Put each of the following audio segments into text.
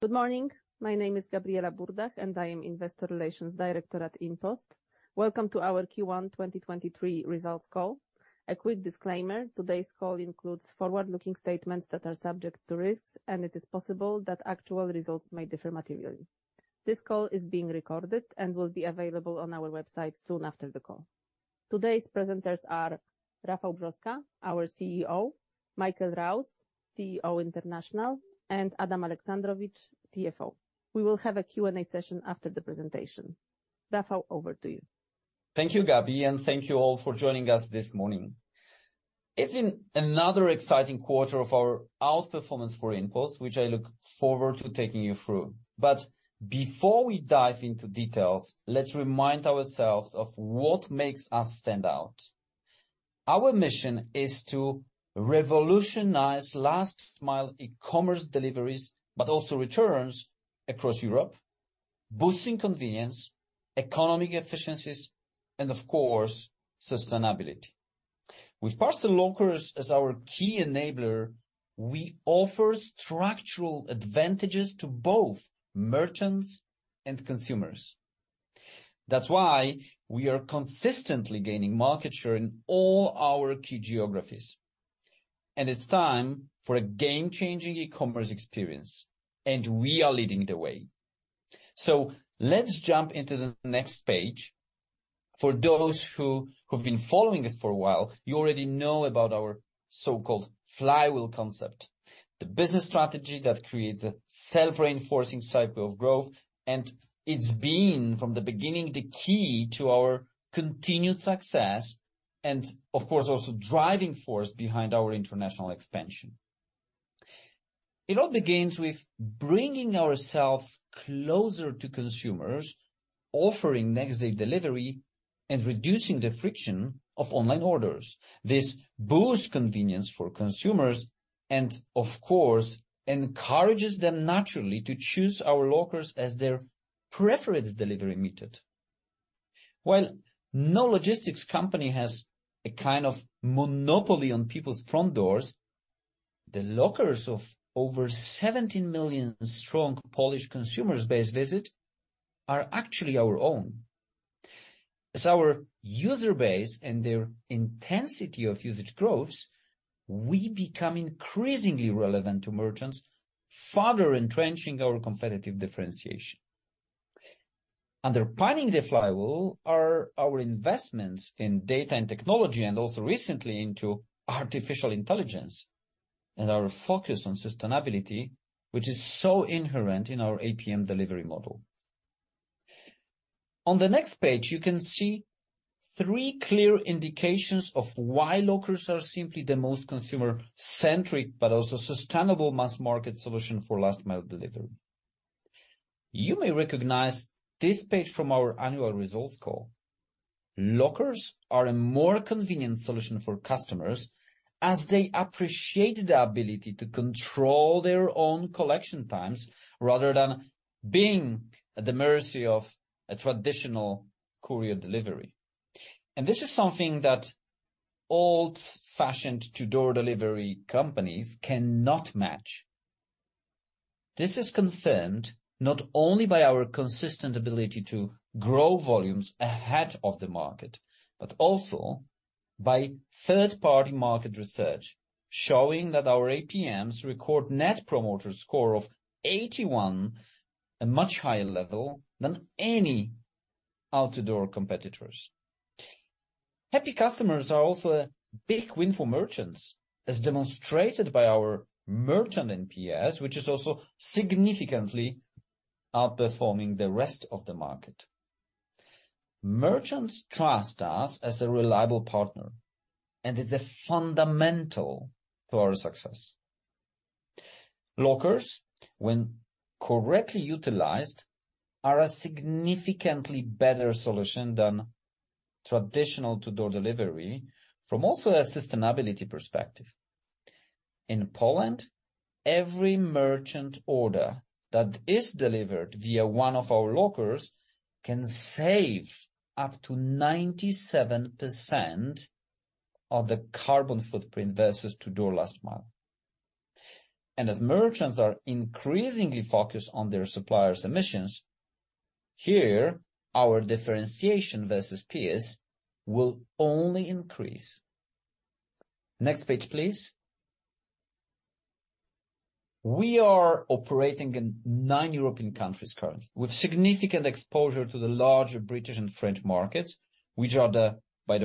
Good morning. My name is Gabriela Burdach, and I am Investor Relations Director at InPost. Welcome to our Q1 2023 results call. A quick disclaimer, today's call includes forward-looking statements that are subject to risks, and it is possible that actual results may differ materially. This call is being recorded and will be available on our website soon after the call. Today's presenters are Rafał Brzoska, our CEO, Michael Rouse, CEO International, and Adam Aleksandrowicz, CFO. We will have a Q&A session after the presentation. Rafał, over to you. Thank you, Gabby, and thank you all for joining us this morning. It's been another exciting quarter of outperformance for InPost, which I look forward to taking you through. Before we dive into details, let's remind ourselves of what makes us stand out. Our mission is to revolutionize last-mile e-commerce deliveries and returns across Europe, boosting convenience, economic efficiencies, and sustainability. With parcel lockers as our key enabler, we offer structural advantages to both merchants and consumers. That's why we are consistently gaining market share in all our key geographies. For those who have been following us for a while, you already know about our so-called flywheel concept—a business strategy that creates a self-reinforcing cycle of growth. It's been, from the beginning, the key to our continued success and of course, also driving force behind our international expansion. It all begins with bringing ourselves closer to consumers, offering next day delivery and reducing the friction of online orders. This boosts convenience for consumers and of course, encourages them naturally to choose our lockers as their preferred delivery method. While no logistics company has a kind of monopoly on people's front doors, the lockers used by over 17 million Polish consumers are actually our own. As our user base and their intensity of usage grows, we become increasingly relevant to merchants, further entrenching our competitive differentiation. Underpinning the flywheel are our investments in data and technology, and also recently into artificial intelligence and our focus on sustainability, which is so inherent in our APM delivery model. On the next page, you can see three clear indications of why lockers are simply the most consumer-centric but also sustainable mass market solution for last mile delivery. You may recognize this page from our annual results call. Lockers are a more convenient solution for customers as they appreciate the ability to control their own collection times rather than being at the mercy of a traditional courier delivery. This is something that old-fashioned to-door delivery companies cannot match. This is confirmed not only by our consistent ability to grow volumes ahead of the market, but also by third-party market research showing that our APMs record Net Promoter Score of 81, a much higher level than any out-the-door competitors. Happy customers are also a big win for merchants, as demonstrated by our merchant NPS, which is also significantly outperforming the rest of the market. Merchants trust us as a reliable partner, which is fundamental to our success. Lockers, when properly utilized, are significantly better than traditional door-to-door delivery from a sustainability perspective. In Poland, every merchant order delivered via one of our lockers can save up to 97% of the carbon footprint compared with traditional door-to-door last-mile delivery. As merchants increasingly focus on their suppliers’ emissions, our differentiation versus peers will continue to grow. We operate in nine European countries, with significant exposure to the UK and France, the first and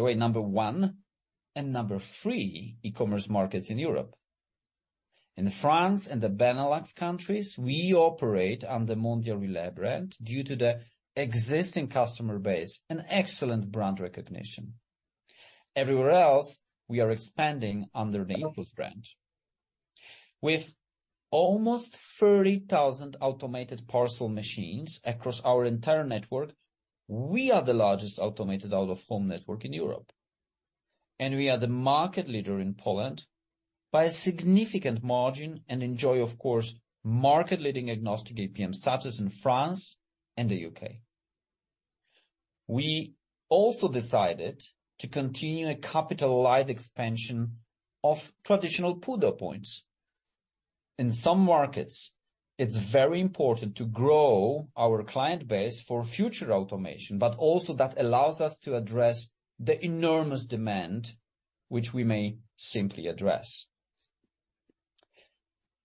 third largest e-commerce markets in Europe. In France and the Benelux countries, we operate under the Mondial Relay brand due to existing customer recognition. Elsewhere, we expand under the InPost brand. With almost 30,000 automated parcel machines across our entire network, we are the largest automated out-of-home network in Europe, and we are the market leader in Poland by a significant margin and enjoy, of course, market-leading agnostic APM status in France and the UK. We also decided to continue a capital light expansion of traditional PUDO points. In some markets, it's very important to grow our client base for future automation, but also that allows us to address the enormous demand which we may simply address.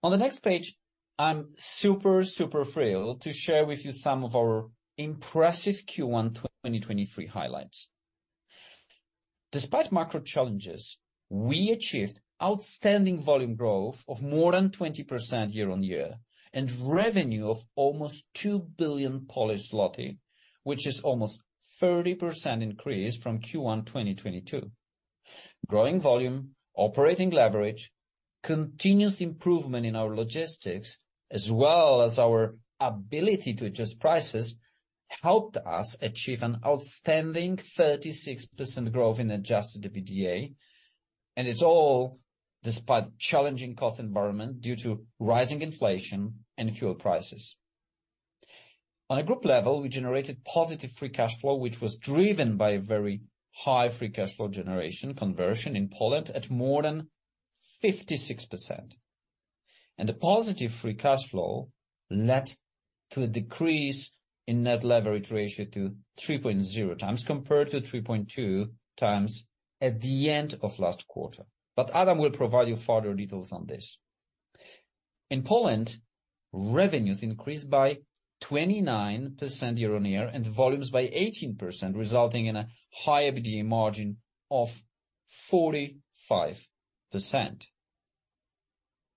On the next page, I'm super thrilled to share with you some of our impressive Q1 2023 highlights. Despite macro challenges, we achieved outstanding volume growth of more than 20% year-on-year and revenue of almost 2 billion Polish zloty, which is almost 30% increase from Q1 2022. Growing volume, operating leverage, continuous improvement in our logistics, as well as our ability to adjust prices, helped us achieve an outstanding 36% growth in adjusted EBITDA. It's all despite challenging cost environment due to rising inflation and fuel prices. On a group level, we generated positive Free Cash Flow, which was driven by a very high Free Cash Flow generation conversion in Poland at more than 56%. The positive Free Cash Flow led to a decrease in Net Leverage Ratio to 3.0 times compared to 3.2 times at the end of last quarter. Adam will provide you further details on this. In Poland, revenues increased by 29% year-on-year and volumes by 18%, resulting in a high EBITDA margin of 45%.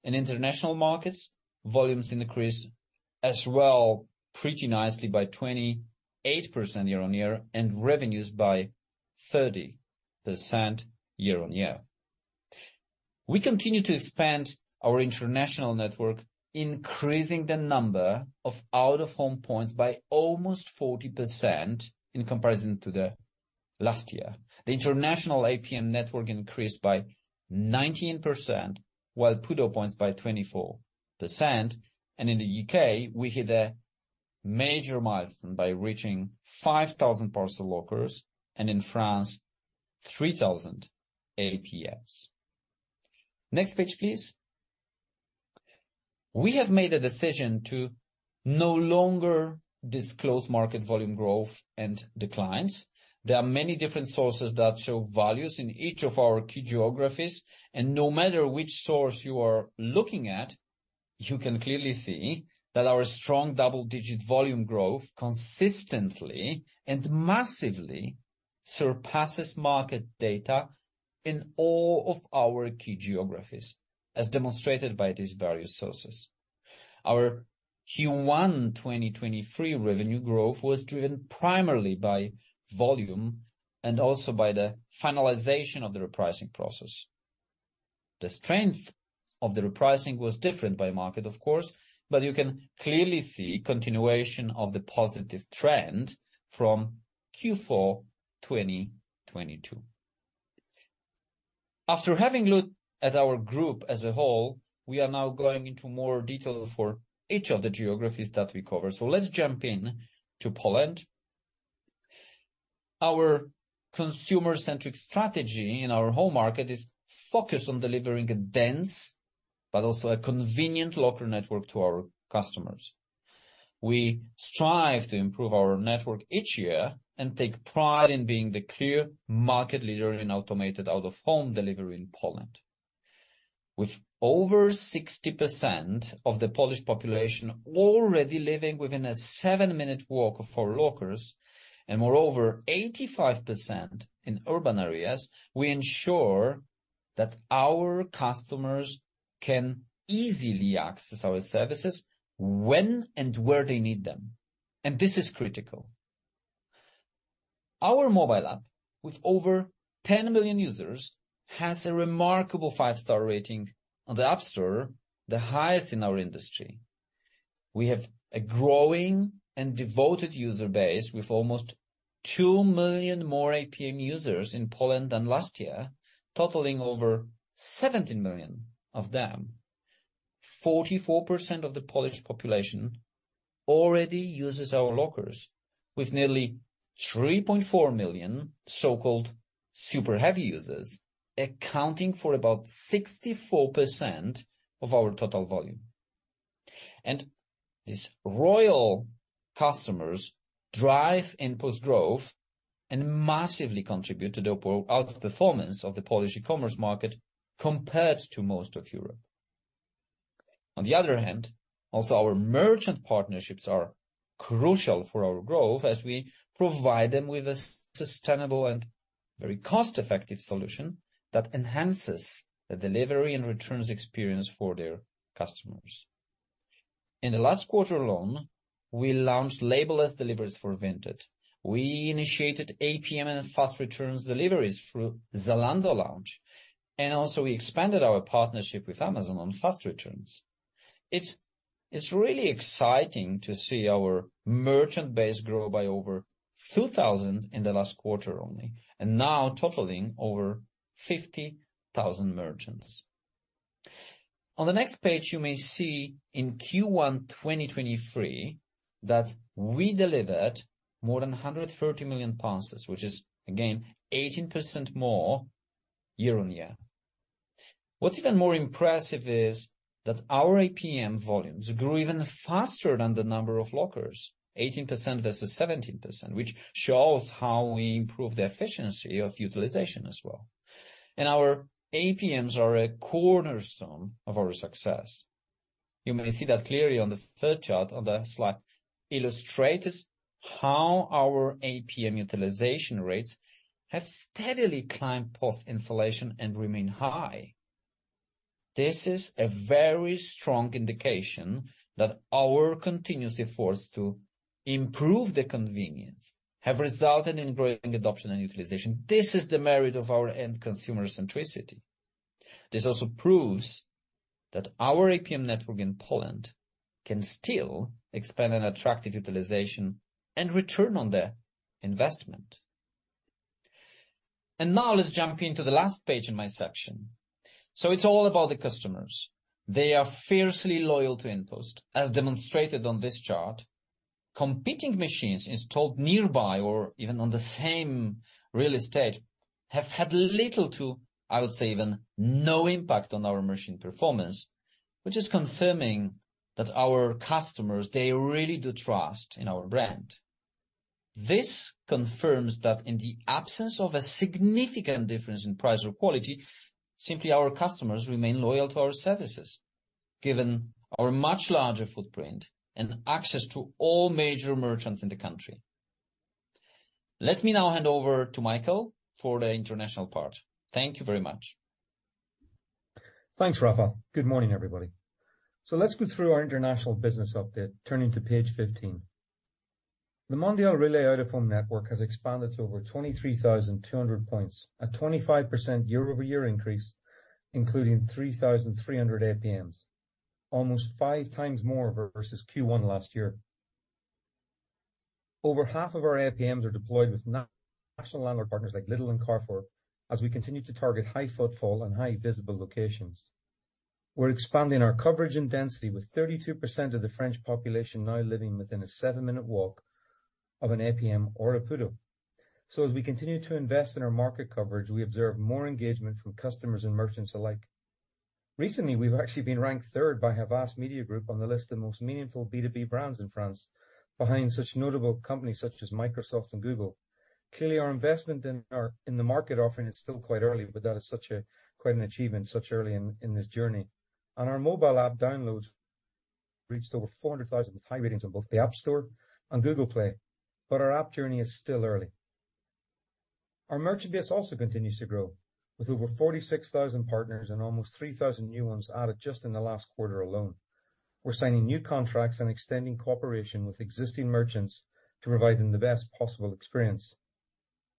In international markets, volumes increased as well, pretty nicely by 28% year-on-year and revenues by 30% year-on-year. We continue to expand our international network, increasing the number of out-of-home points by almost 40% in comparison to the last year. The international APM network increased by 19% while PUDO points by 24%. In the UK, we hit a major milestone by reaching 5,000 parcel lockers and in France, 3,000 APMs. Next page, please. We have made a decision to no longer disclose market volume growth and declines. There are many different sources that show values in each of our key geographies. No matter which source you are looking at, you can clearly see that our strong double-digit volume growth consistently and massively surpasses market data in all of our key geographies, as demonstrated by these various sources. Our Q1 2023 revenue growth was driven primarily by volume and also by the finalization of the repricing process. The strength of the repricing was different by market of course, but you can clearly see continuation of the positive trend from Q4 2022. After having looked at our group as a whole, we are now going into more detail for each of the geographies that we cover. Let's jump in to Poland. Our consumer-centric strategy in our home market is focused on delivering a dense but also a convenient locker network to our customers. We strive to improve our network each year and take pride in being the clear market leader in automated out-of-home delivery in Poland. With over 60% of the Polish population already living within a 7-minute walk of our lockers and moreover, 85% in urban areas, we ensure that our customers can easily access our services when and where they need them, and this is critical. Our mobile app, with over 10 million users, has a remarkable 5-star rating on the App Store, the highest in our industry. We have a growing and devoted user base with almost 2 million more APM users in Poland than last year, totaling over 17 million of them. 44% of the Polish population already uses our lockers with nearly 3.4 million so-called super heavy users, accounting for about 64% of our total volume. These royal customers drive InPost growth and massively contribute to the outperformance of the Polish e-commerce market compared to most of Europe. Our merchant partnerships are crucial for our growth as we provide them with a sustainable and very cost-effective solution that enhances the delivery and returns experience for their customers. In the last quarter alone, we launched label-less deliveries for Vinted. We initiated APM and fast returns deliveries through Zalando Lounge. Also we expanded our partnership with Amazon on fast returns. It's really exciting to see our merchant base grow by over 2,000 in the last quarter only, now totaling over 50,000 merchants. On the next page, you may see in Q1 2023 that we delivered more than 130 million parcels, which is again 18% more year-on-year. What's even more impressive is that our APM volumes grew even faster than the number of lockers. 18% versus 17%, which shows how we improve the efficiency of utilization as well. Our APMs are a cornerstone of our success. You may see that clearly on the third chart on the slide illustrates how our APM utilization rates have steadily climbed post-installation and remain high. This is a very strong indication that our continuous efforts to improve the convenience have resulted in growing adoption and utilization. This is the merit of our end consumer centricity. This also proves that our APM network in Poland can still expand an attractive utilization and return on the investment. Now let's jump into the last page in my section. It's all about the customers. They are fiercely loyal to InPost. As demonstrated on this chart, competing machines installed nearby or even on the same real estate have had little to, I would say even no impact on our machine performance, which is confirming that our customers, they really do trust in our brand. This confirms that in the absence of a significant difference in price or quality, simply our customers remain loyal to our services, given our much larger footprint and access to all major merchants in the country. Let me now hand over to Michael for the international part. Thank you very much. Thanks, Rafał. Good morning, everybody. Let's go through our international business update, turning to page 15. The Mondial Relay out-of-home network has expanded to over 23,200 points, a 25% year-over-year increase, including 3,300 APMs. Almost 5 times more versus Q1 last year. Over half of our APMs are deployed with national landlord partners like Lidl and Carrefour, as we continue to target high footfall and high visible locations. We're expanding our coverage and density with 32% of the French population now living within a seven-minute walk of an APM or a PUDO. as we continue to invest in our market coverage, we observe more engagement from customers and merchants alike. Recently, we've actually been ranked third by Havas Media Group on the list of most meaningful B2B brands in France, behind such notable companies such as Microsoft and Google. Clearly, our investment in the market offering is still quite early, but that is quite an achievement such early in this journey. Our mobile app downloads reached over 400,000 with high ratings on both the App Store and Google Play. Our app journey is still early. Our merchant base also continues to grow with over 46,000 partners and almost 3,000 new ones added just in the last quarter alone. We're signing new contracts and extending cooperation with existing merchants to provide them the best possible experience.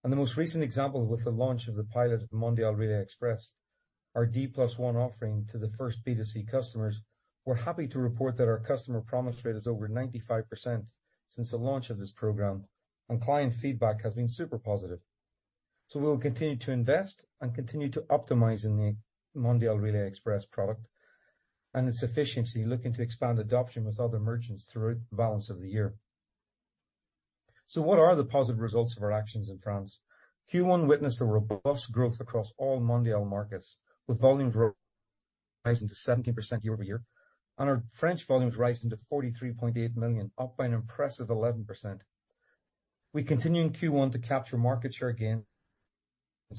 The most recent example with the launch of the pilot of Mondial Relay Express, our D+1 offering to the first B2C customers. We're happy to report that our customer promise rate is over 95% since the launch of this program, and client feedback has been super positive. We will continue to invest and continue to optimize in the Mondial Relay Express product and its efficiency, looking to expand adoption with other merchants through balance of the year. What are the positive results of our actions in France? Q1 witnessed a robust growth across all Mondial markets, with volumes rising to 17% year-over-year, and our French volumes rising to 43.8 million, up by an impressive 11%. We continue in Q1 to capture market share gains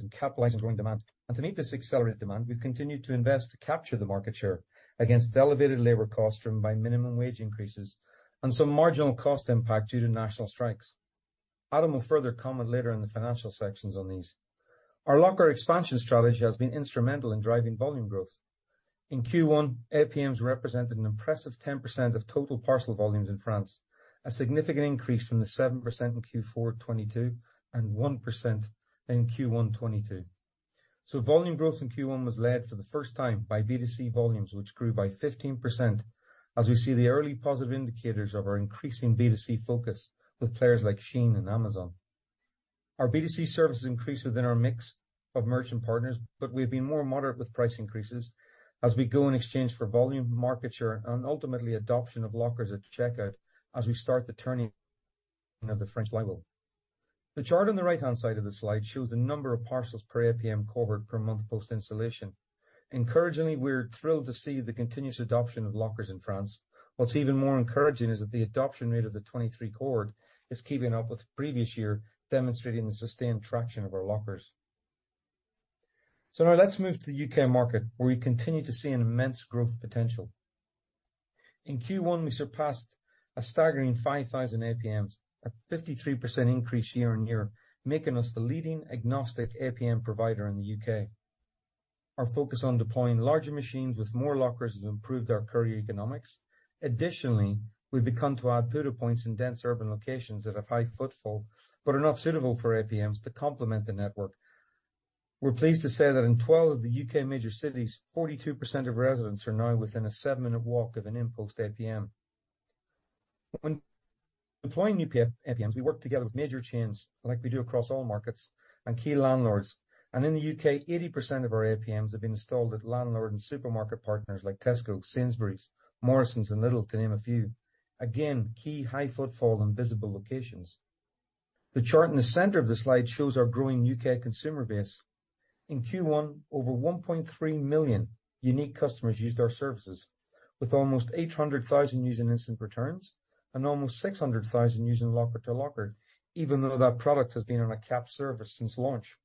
and capitalize on growing demand. To meet this accelerated demand, we've continued to invest to capture the market share against the elevated labor costs driven by minimum wage increases and some marginal cost impact due to national strikes. Adam will further comment later in the financial sections on these. Our locker expansion strategy has been instrumental in driving volume growth. In Q1, APMs represented an impressive 10% of total parcel volumes in France, a significant increase from the 7% in Q4 2022 and 1% in Q1 2022. Volume growth in Q1 was led for the first time by B2C volumes, which grew by 15% as we see the early positive indicators of our increasing B2C focus with players like SHEIN and Amazon. Our B2C services increase within our mix of merchant partners, but we've been more moderate with price increases as we go in exchange for volume, market share, and ultimately adoption of lockers at checkout as we start the turning of the French light bulb. The chart on the right-hand side of the slide shows the number of parcels per APM covered per month post-installation. Encouragingly, we're thrilled to see the continuous adoption of lockers in France. What's even more encouraging is that the adoption rate of the 23 chord is keeping up with previous year, demonstrating the sustained traction of our lockers. Now let's move to the U.K. market, where we continue to see an immense growth potential. In Q1, we surpassed a staggering 5,000 APMs, a 53% increase year-on-year, making us the leading agnostic APM provider in the U.K. Our focus on deploying larger machines with more lockers has improved our courier economics. Additionally, we've begun to add PUDO points in dense urban locations that have high footfall but are not suitable for APMs to complement the network. We're pleased to say that in 12 of the U.K. major cities, 42% of residents are now within a 7-minute walk of an InPost APM. When deploying new APMs, we work together with major chains like we do across all markets and key landlords. In the U.K., 80% of our APMs have been installed at landlord and supermarket partners like Tesco, Sainsbury's, Morrisons and Lidl, to name a few. Again, key high footfall and visible locations. The chart in the center of the slide shows our growing U.K. consumer base. In Q1, over 1.3 million unique customers used our services, with almost 800,000 using Instant Returns and almost 600,000 using Locker2Locker, even though that product has been on a capped service since launch.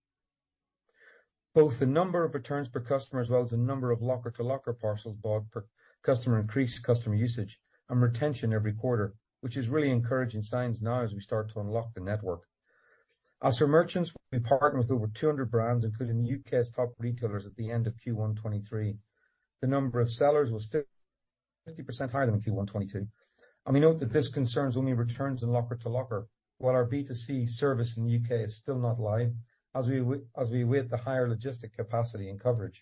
Both the number of returns per customer as well as the number of Locker2Locker parcels bought per customer increased customer usage and retention every quarter, which is really encouraging signs now as we start to unlock the network. As for merchants, we partnered with over 200 brands, including U.K.'s top retailers at the end of Q1 2023. The number of sellers was still 50% higher than Q1 2022. We note that this concerns only returns in Locker2Locker. While our B2C service in the UK is still not live, as we await the higher logistic capacity and coverage.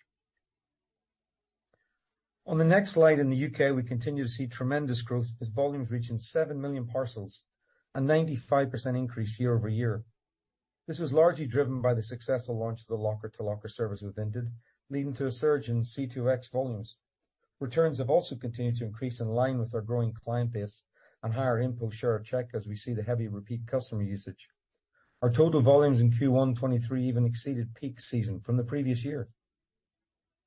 On the next slide, in the UK, we continue to see tremendous growth with volumes reaching 7 million parcels and 95% increase year-over-year. This was largely driven by the successful launch of the Locker2Locker service with Vinted, leading to a surge in C2X volumes. Returns have also continued to increase in line with our growing client base and higher input share of check as we see the heavy repeat customer usage. Our total volumes in Q1 2023 even exceeded peak season from the previous year.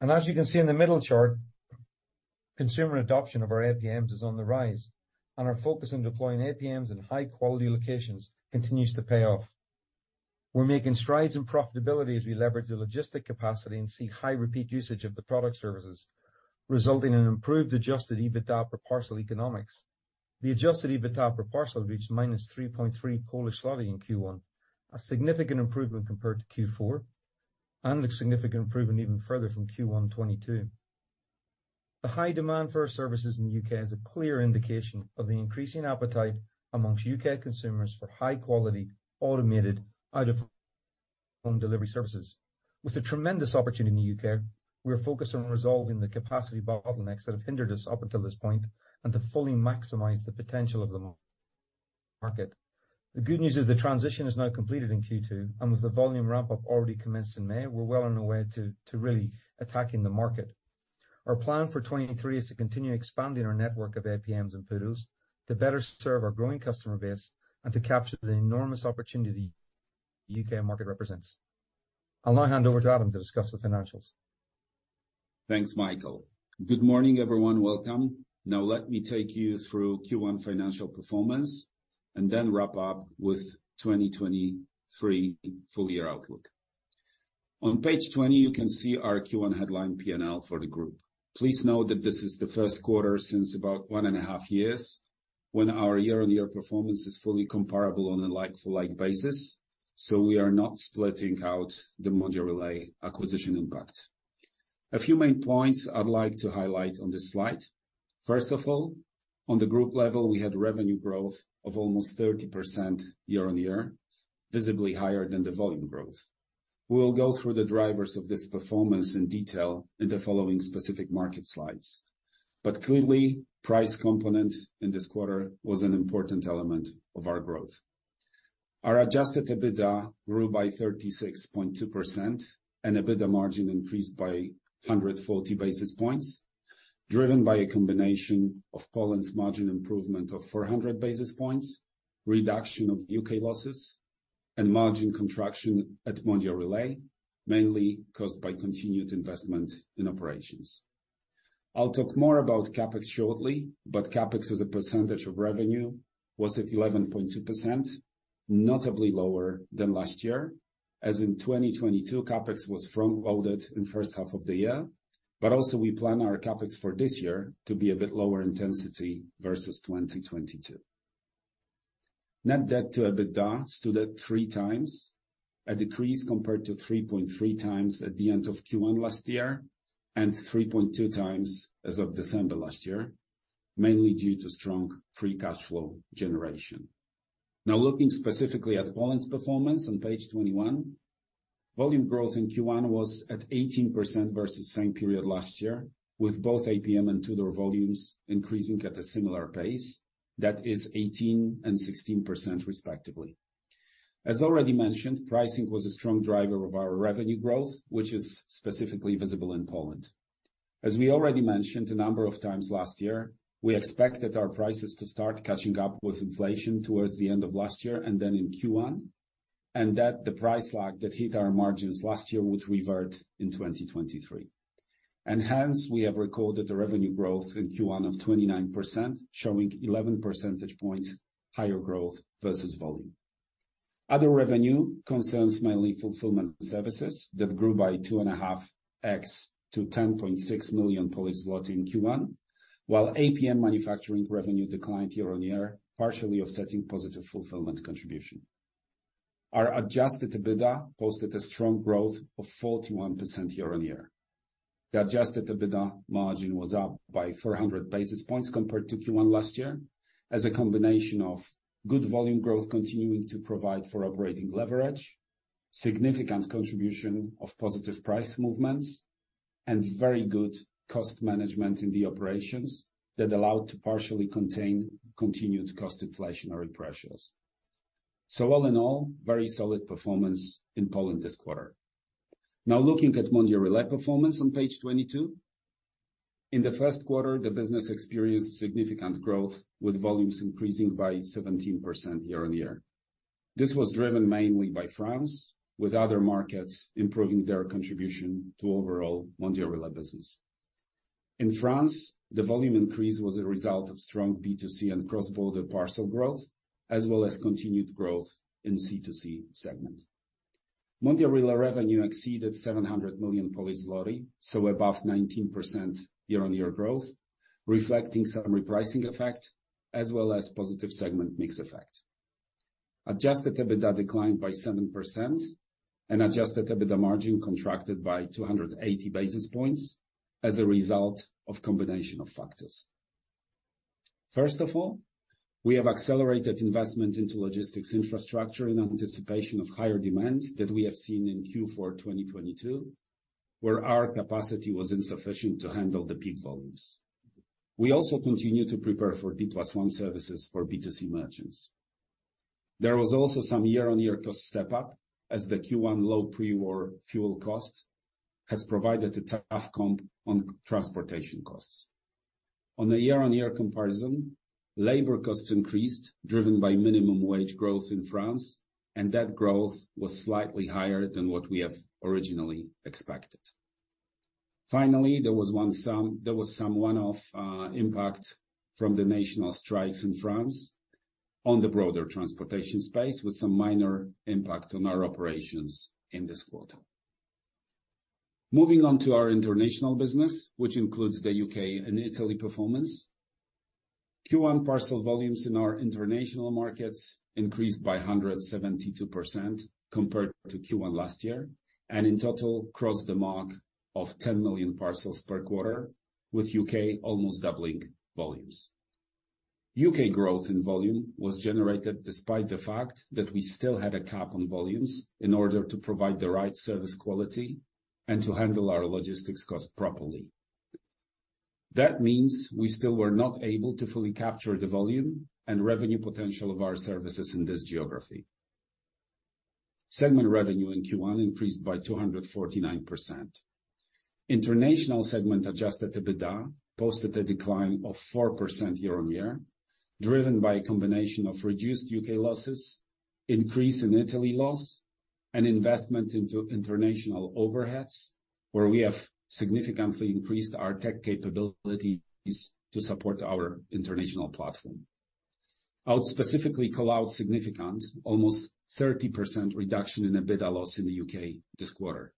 As you can see in the middle chart, consumer adoption of our APMs is on the rise, and our focus in deploying APMs in high-quality locations continues to pay off. We're making strides in profitability as we leverage the logistic capacity and see high repeat usage of the product services, resulting in improved adjusted EBITDA per parcel economics. The adjusted EBITDA per parcel reached -3.3 Polish zloty in Q1, a significant improvement compared to Q4, and a significant improvement even further from Q1 2022. The high demand for our services in the UK is a clear indication of the increasing appetite amongst UK consumers for high-quality, automated out-of-home delivery services. With a tremendous opportunity in the UK, we are focused on resolving the capacity bottlenecks that have hindered us up until this point and to fully maximize the potential of the market. The good news is the transition is now completed in Q2. With the volume ramp-up already commenced in May, we're well on our way to really attacking the market. Our plan for 23 is to continue expanding our network of APMs and FULOs to better serve our growing customer base and to capture the enormous opportunity UK market represents. I'll now hand over to Adam to discuss the financials. Thanks, Michael. Good morning, everyone. Welcome. Let me take you through Q1 financial performance and then wrap up with 2023 full year outlook. On page 20, you can see our Q1 headline P&L for the group. Please note that this is the first quarter since about one and a half years when our year-on-year performance is fully comparable on a like-for-like basis, we are not splitting out the Mondial Relay acquisition impact. A few main points I'd like to highlight on this slide. First of all, on the group level, we had revenue growth of almost 30% year-on-year, visibly higher than the volume growth. We'll go through the drivers of this performance in detail in the following specific market slides. Clearly, price component in this quarter was an important element of our growth. Our adjusted EBITDA grew by 36.2% and EBITDA margin increased by 140 basis points, driven by a combination of Poland's margin improvement of 400 basis points, reduction of UK losses and margin contraction at Mondial Relay, mainly caused by continued investment in operations. I'll talk more about CapEx shortly, but CapEx as a percentage of revenue was at 11.2%, notably lower than last year, as in 2022 CapEx was front-loaded in first half of the year. Also we plan our CapEx for this year to be a bit lower intensity versus 2022. Net debt to EBITDA stood at 3 times, a decrease compared to 3.3 times at the end of Q1 last year and 3.2 times as of December last year, mainly due to strong Free Cash Flow generation. Now looking specifically at Poland's performance on page 21. Volume growth in Q1 was at 18% versus same period last year, with both APM and PUDO volumes increasing at a similar pace. That is 18% and 16% respectively. As already mentioned, pricing was a strong driver of our revenue growth, which is specifically visible in Poland. As we already mentioned a number of times last year, we expected our prices to start catching up with inflation towards the end of last year and then in Q1, and that the price lag that hit our margins last year would revert in 2023. Hence we have recorded a revenue growth in Q1 of 29%, showing 11 percentage points higher growth versus volume. Other revenue concerns mainly fulfillment services that grew by 2.5x to 10.6 million Polish zloty in Q1, while APM manufacturing revenue declined year-on-year, partially offsetting positive fulfillment contribution. Our adjusted EBITDA posted a strong growth of 41% year-on-year. The adjusted EBITDA margin was up by 400 basis points compared to Q1 last year, as a combination of good volume growth continuing to provide for operating leverage, significant contribution of positive price movements. Very good cost management in the operations that allow to partially contain continued cost inflationary pressures. All in all, very solid performance in Poland this quarter. Now looking at Mondial Relay performance on page 22. In the first quarter, the business experienced significant growth with volumes increasing by 17% year-on-year. This was driven mainly by France, with other markets improving their contribution to overall Mondial Relay business. In France, the volume increase was a result of strong B2C and cross-border parcel growth, as well as continued growth in C2C segment. Mondial Relay revenue exceeded 700 million Polish zloty, so above 19% year-on-year growth, reflecting some repricing effect as well as positive segment mix effect. Adjusted EBITDA declined by 7% and adjusted EBITDA margin contracted by 280 basis points as a result of combination of factors. First of all, we have accelerated investment into logistics infrastructure in anticipation of higher demands that we have seen in Q4 of 2022, where our capacity was insufficient to handle the peak volumes. We also continue to prepare for D+1 services for B2C merchants. There was also some year-on-year cost step up as the Q1 low pre-war fuel cost has provided a tough comp on transportation costs. On a year-on-year comparison, labor costs increased, driven by minimum wage growth in France, and that growth was slightly higher than what we have originally expected. Finally, there was some one-off impact from the national strikes in France on the broader transportation space, with some minor impact on our operations in this quarter. Moving on to our international business, which includes the UK and Italy performance. Q1 parcel volumes in our international markets increased by 172% compared to Q1 last year, and in total crossed the mark of 10 million parcels per quarter, with UK almost doubling volumes. UK growth in volume was generated despite the fact that we still had a cap on volumes in order to provide the right service quality and to handle our logistics cost properly. That means we still were not able to fully capture the volume and revenue potential of our services in this geography. Segment revenue in Q1 increased by 249%. International segment adjusted EBITDA posted a decline of 4% year-on-year, driven by a combination of reduced U.K. losses, increase in Italy loss, and investment into international overheads, where we have significantly increased our tech capabilities to support our international platform. I would specifically call out significant almost 30% reduction in EBITDA loss in the U.K. this quarter.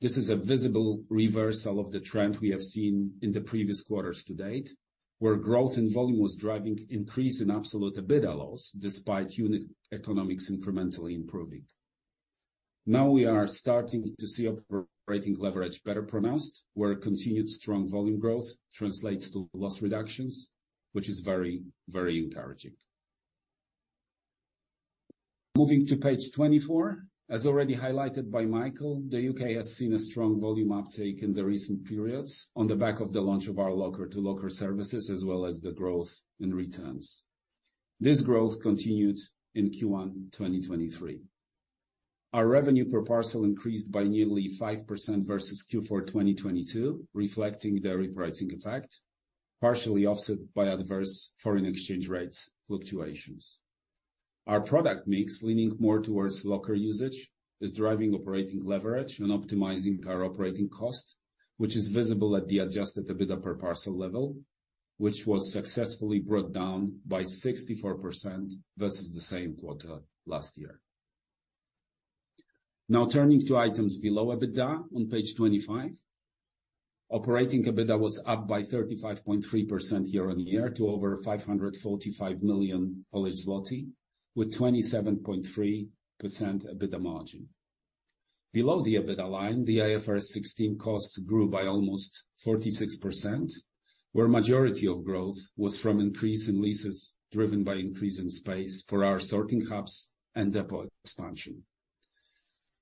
This is a visible reversal of the trend we have seen in the previous quarters to date, where growth in volume was driving increase in absolute EBITDA loss despite unit economics incrementally improving. We are starting to see operating leverage better pronounced, where continued strong volume growth translates to loss reductions, which is very, very encouraging. Moving to page 24. As already highlighted by Michael, the UK has seen a strong volume uptake in the recent periods on the back of the launch of our locker-to-locker services, as well as the growth in returns. This growth continued in Q1 2023. Our revenue per parcel increased by nearly 5% versus Q4 2022, reflecting the repricing effect, partially offset by adverse foreign exchange rates fluctuations. Our product mix, leaning more towards locker usage, is driving operating leverage and optimizing our operating cost, which is visible at the adjusted EBITDA per parcel level, which was successfully brought down by 64% versus the same quarter last year. Turning to items below EBITDA on page 25. Operating EBITDA was up by 35.3% year-on-year to over 545 million Polish zloty with 27.3% EBITDA margin. Below the EBITDA line, the IFRS 16 costs grew by almost 46%, where majority of growth was from increase in leases driven by increase in space for our sorting hubs and depot expansion.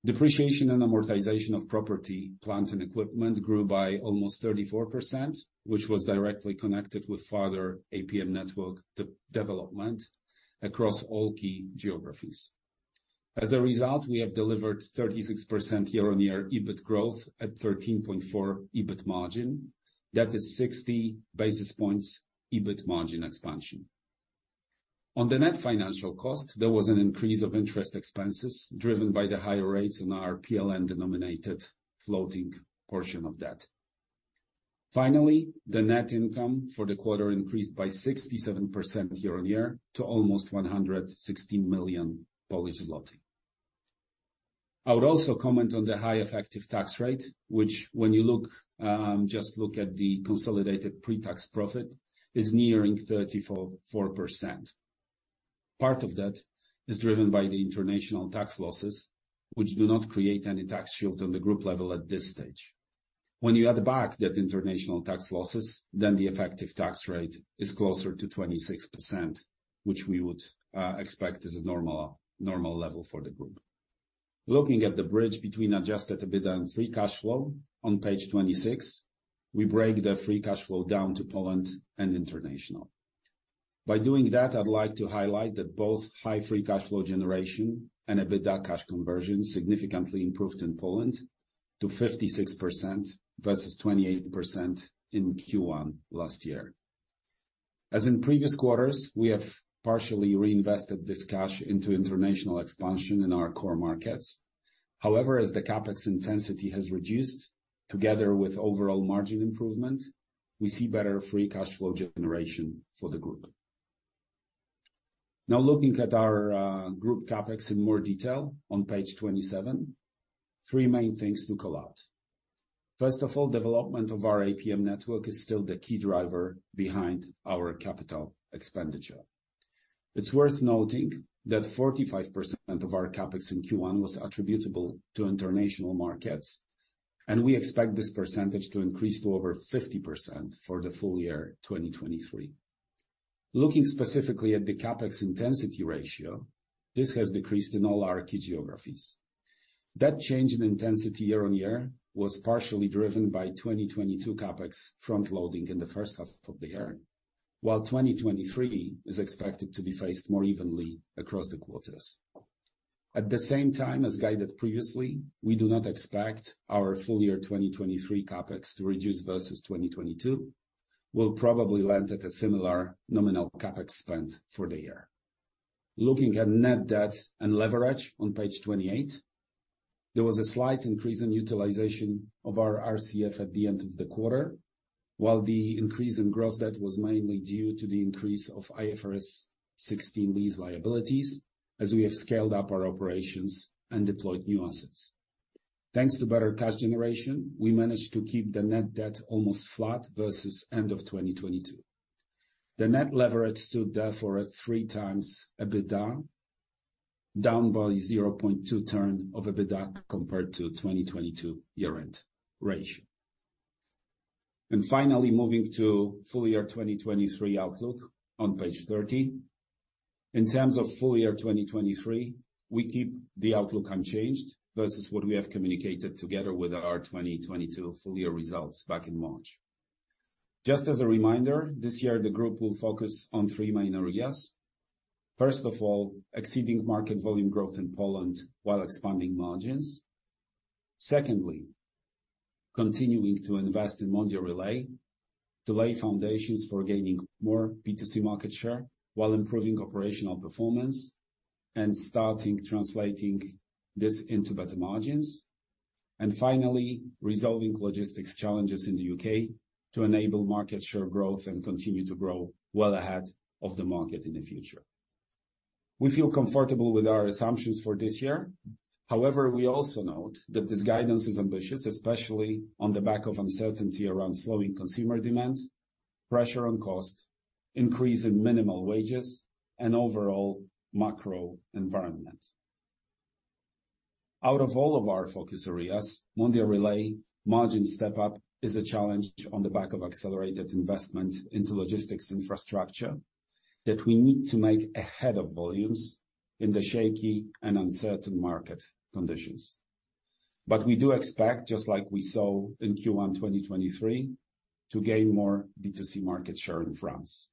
Depreciation and amortization of property, plant, and equipment grew by almost 34%, which was directly connected with further APM network de-development across all key geographies. As a result, we have delivered 36% year-on-year EBIT growth at 13.4 EBIT margin. That is 60 basis points EBIT margin expansion. On the net financial cost, there was an increase of interest expenses driven by the higher rates on our PLN-denominated floating portion of debt. Finally, the net income for the quarter increased by 67% year-on-year to almost 116 million Polish zloty. I would also comment on the high effective tax rate, which when you look, just look at the consolidated pre-tax profit, is nearing 34.4%. Part of that is driven by the international tax losses, which do not create any tax shield on the group level at this stage. When you add back that international tax losses, the effective tax rate is closer to 26%. Which we would expect as a normal level for the group. Looking at the bridge between adjusted EBITDA and Free Cash Flow on page 26, we break the Free Cash Flow down to Poland and international. By doing that, I'd like to highlight that both high Free Cash Flow generation and EBITDA Cash Conversion significantly improved in Poland to 56% versus 28% in Q1 last year. As in previous quarters, we have partially reinvested this cash into international expansion in our core markets. However, as the CapEx intensity has reduced together with overall margin improvement, we see better free cash flow generation for the group. Now looking at our group CapEx in more detail on page 27, three main things to call out. First of all, development of our APM network is still the key driver behind our capital expenditure. It's worth noting that 45% of our CapEx in Q1 was attributable to international markets, and we expect this percentage to increase to over 50% for the full year 2023. Looking specifically at the CapEx intensity ratio, this has decreased in all our key geographies. That change in intensity year-over-year was partially driven by 2022 CapEx front loading in the first half of the year. Twenty twenty-three is expected to be phased more evenly across the quarters. At the same time as guided previously, we do not expect our full year 2023 CapEx to reduce versus 2022. We'll probably land at a similar nominal CapEx spend for the year. Looking at net debt and leverage on page 28, there was a slight increase in utilization of our RCF at the end of the quarter. The increase in gross debt was mainly due to the increase of IFRS 16 lease liabilities, as we have scaled up our operations and deployed new assets. Thanks to better cash generation, we managed to keep the net debt almost flat versus end of 2022. The net leverage stood there for a 3 times EBITDA, down by 0.2 turn of EBITDA compared to 2022 year-end ratio. Finally moving to full year 2023 outlook on page 30. In terms of full year 2023, we keep the outlook unchanged versus what we have communicated together with our 2022 full year results back in March. Just as a reminder, this year the group will focus on three main areas. First of all, exceeding market volume growth in Poland while expanding margins. Secondly, continuing to invest in Mondial Relay, to lay foundations for gaining more B2C market share while improving operational performance and starting translating this into better margins. Finally, resolving logistics challenges in the UK to enable market share growth and continue to grow well ahead of the market in the future. We feel comfortable with our assumptions for this year. We also note that this guidance is ambitious, especially on the back of uncertainty around slowing consumer demand, pressure on cost, increase in minimum wages and overall macro environment. Out of all of our focus areas, Mondial Relay margin step up is a challenge on the back of accelerated investment into logistics infrastructure that we need to make ahead of volumes in the shaky and uncertain market conditions. We do expect, just like we saw in Q1 2023, to gain more B2C market share in France.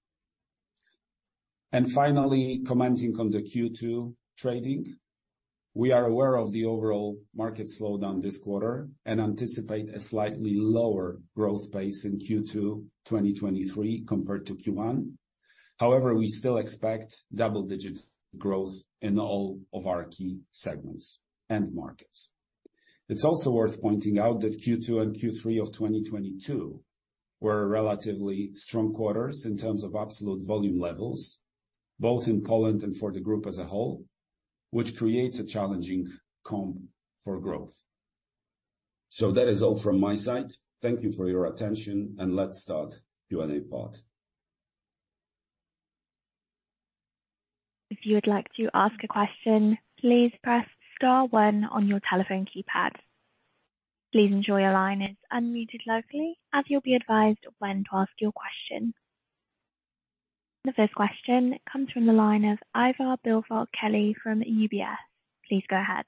Finally, commenting on the Q2 trading. We are aware of the overall market slowdown this quarter and anticipate a slightly lower growth pace in Q2 2023 compared to Q1. We still expect double-digit growth in all of our key segments and markets. It's also worth pointing out that Q2 and Q3 of 2022 were relatively strong quarters in terms of absolute volume levels, both in Poland and for the group as a whole, which creates a challenging comp for growth. That is all from my side. Thank you for your attention, and let's start Q&A part. If you would like to ask a question, please press star one on your telephone keypad. Please ensure your line is unmuted locally, as you'll be advised when to ask your question. The first question comes from the line of Ivar Billfalk-Kelly from UBS. Please go ahead.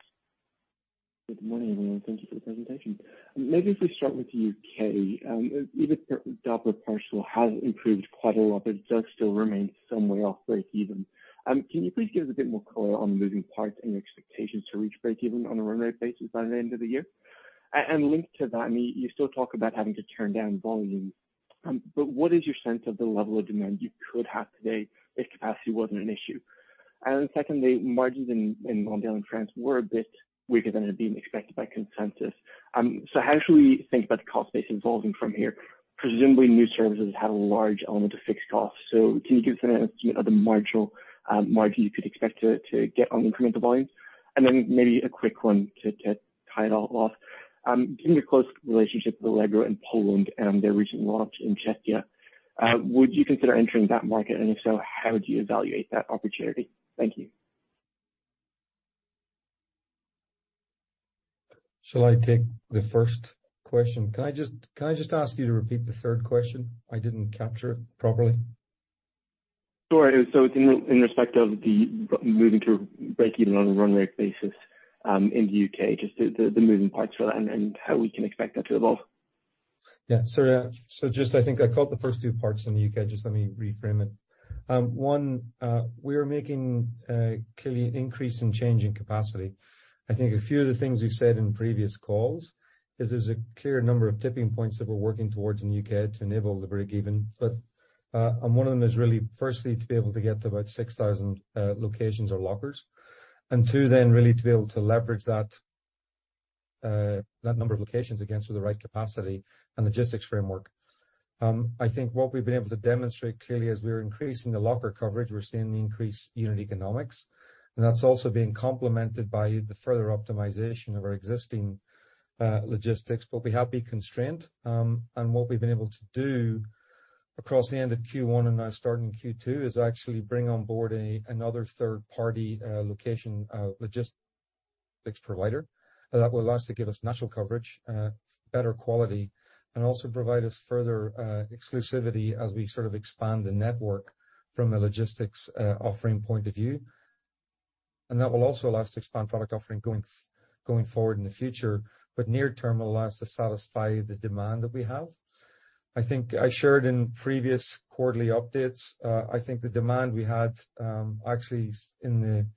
Good morning, everyone. Thank you for the presentation. Maybe if we start with the UK, even though UK Parcel has improved quite a lot, but it does still remain some way off break even. Can you please give us a bit more color on losing parts and your expectations to reach break even on a run rate basis by the end of the year? Linked to that, you still talk about having to turn down volumes, but what is your sense of the level of demand you could have today if capacity wasn't an issue? Secondly, margins in Mondial in France were a bit weaker than had been expected by consensus. How should we think about the cost base evolving from here? Presumably new services have a large element of fixed costs. Can you give us an estimate of the marginal margin you could expect to get on incremental volumes? Maybe a quick one to tie it all off. Given your close relationship with Allegro in Poland and their recent launch in Czechia, would you consider entering that market? If so, how would you evaluate that opportunity? Thank you. Shall I take the first question? Can I just ask you to repeat the third question? I didn't capture it properly. Sure. It's in respect of the moving to break even on a run rate basis, in the UK, just the moving parts for that and how we can expect that to evolve. Just I think I caught the first two parts on the UK. Just let me reframe it. 1, we are making clearly an increase in change in capacity. I think a few of the things we've said in previous calls is there's a clear number of tipping points that we're working towards in the UK to enable the break even. 1 of them is really, firstly, to be able to get to about 6,000 locations or lockers. 2, really to be able to leverage that number of locations against the right capacity and logistics framework. I think what we've been able to demonstrate clearly as we're increasing the locker coverage, we're seeing the increased unit economics. That's also being complemented by the further optimization of our existing logistics. We have been constrained, and what we've been able to do across the end of Q1 and now starting Q2, is actually bring on board another third-party, location, logistics provider, that will allow us to give us national coverage, better quality, and also provide us further exclusivity as we sort of expand the network from a logistics offering point of view. That will also allow us to expand product offering going forward in the future. Near-term will allow us to satisfy the demand that we have. I think I shared in previous quarterly updates, I think the demand we had, actually in the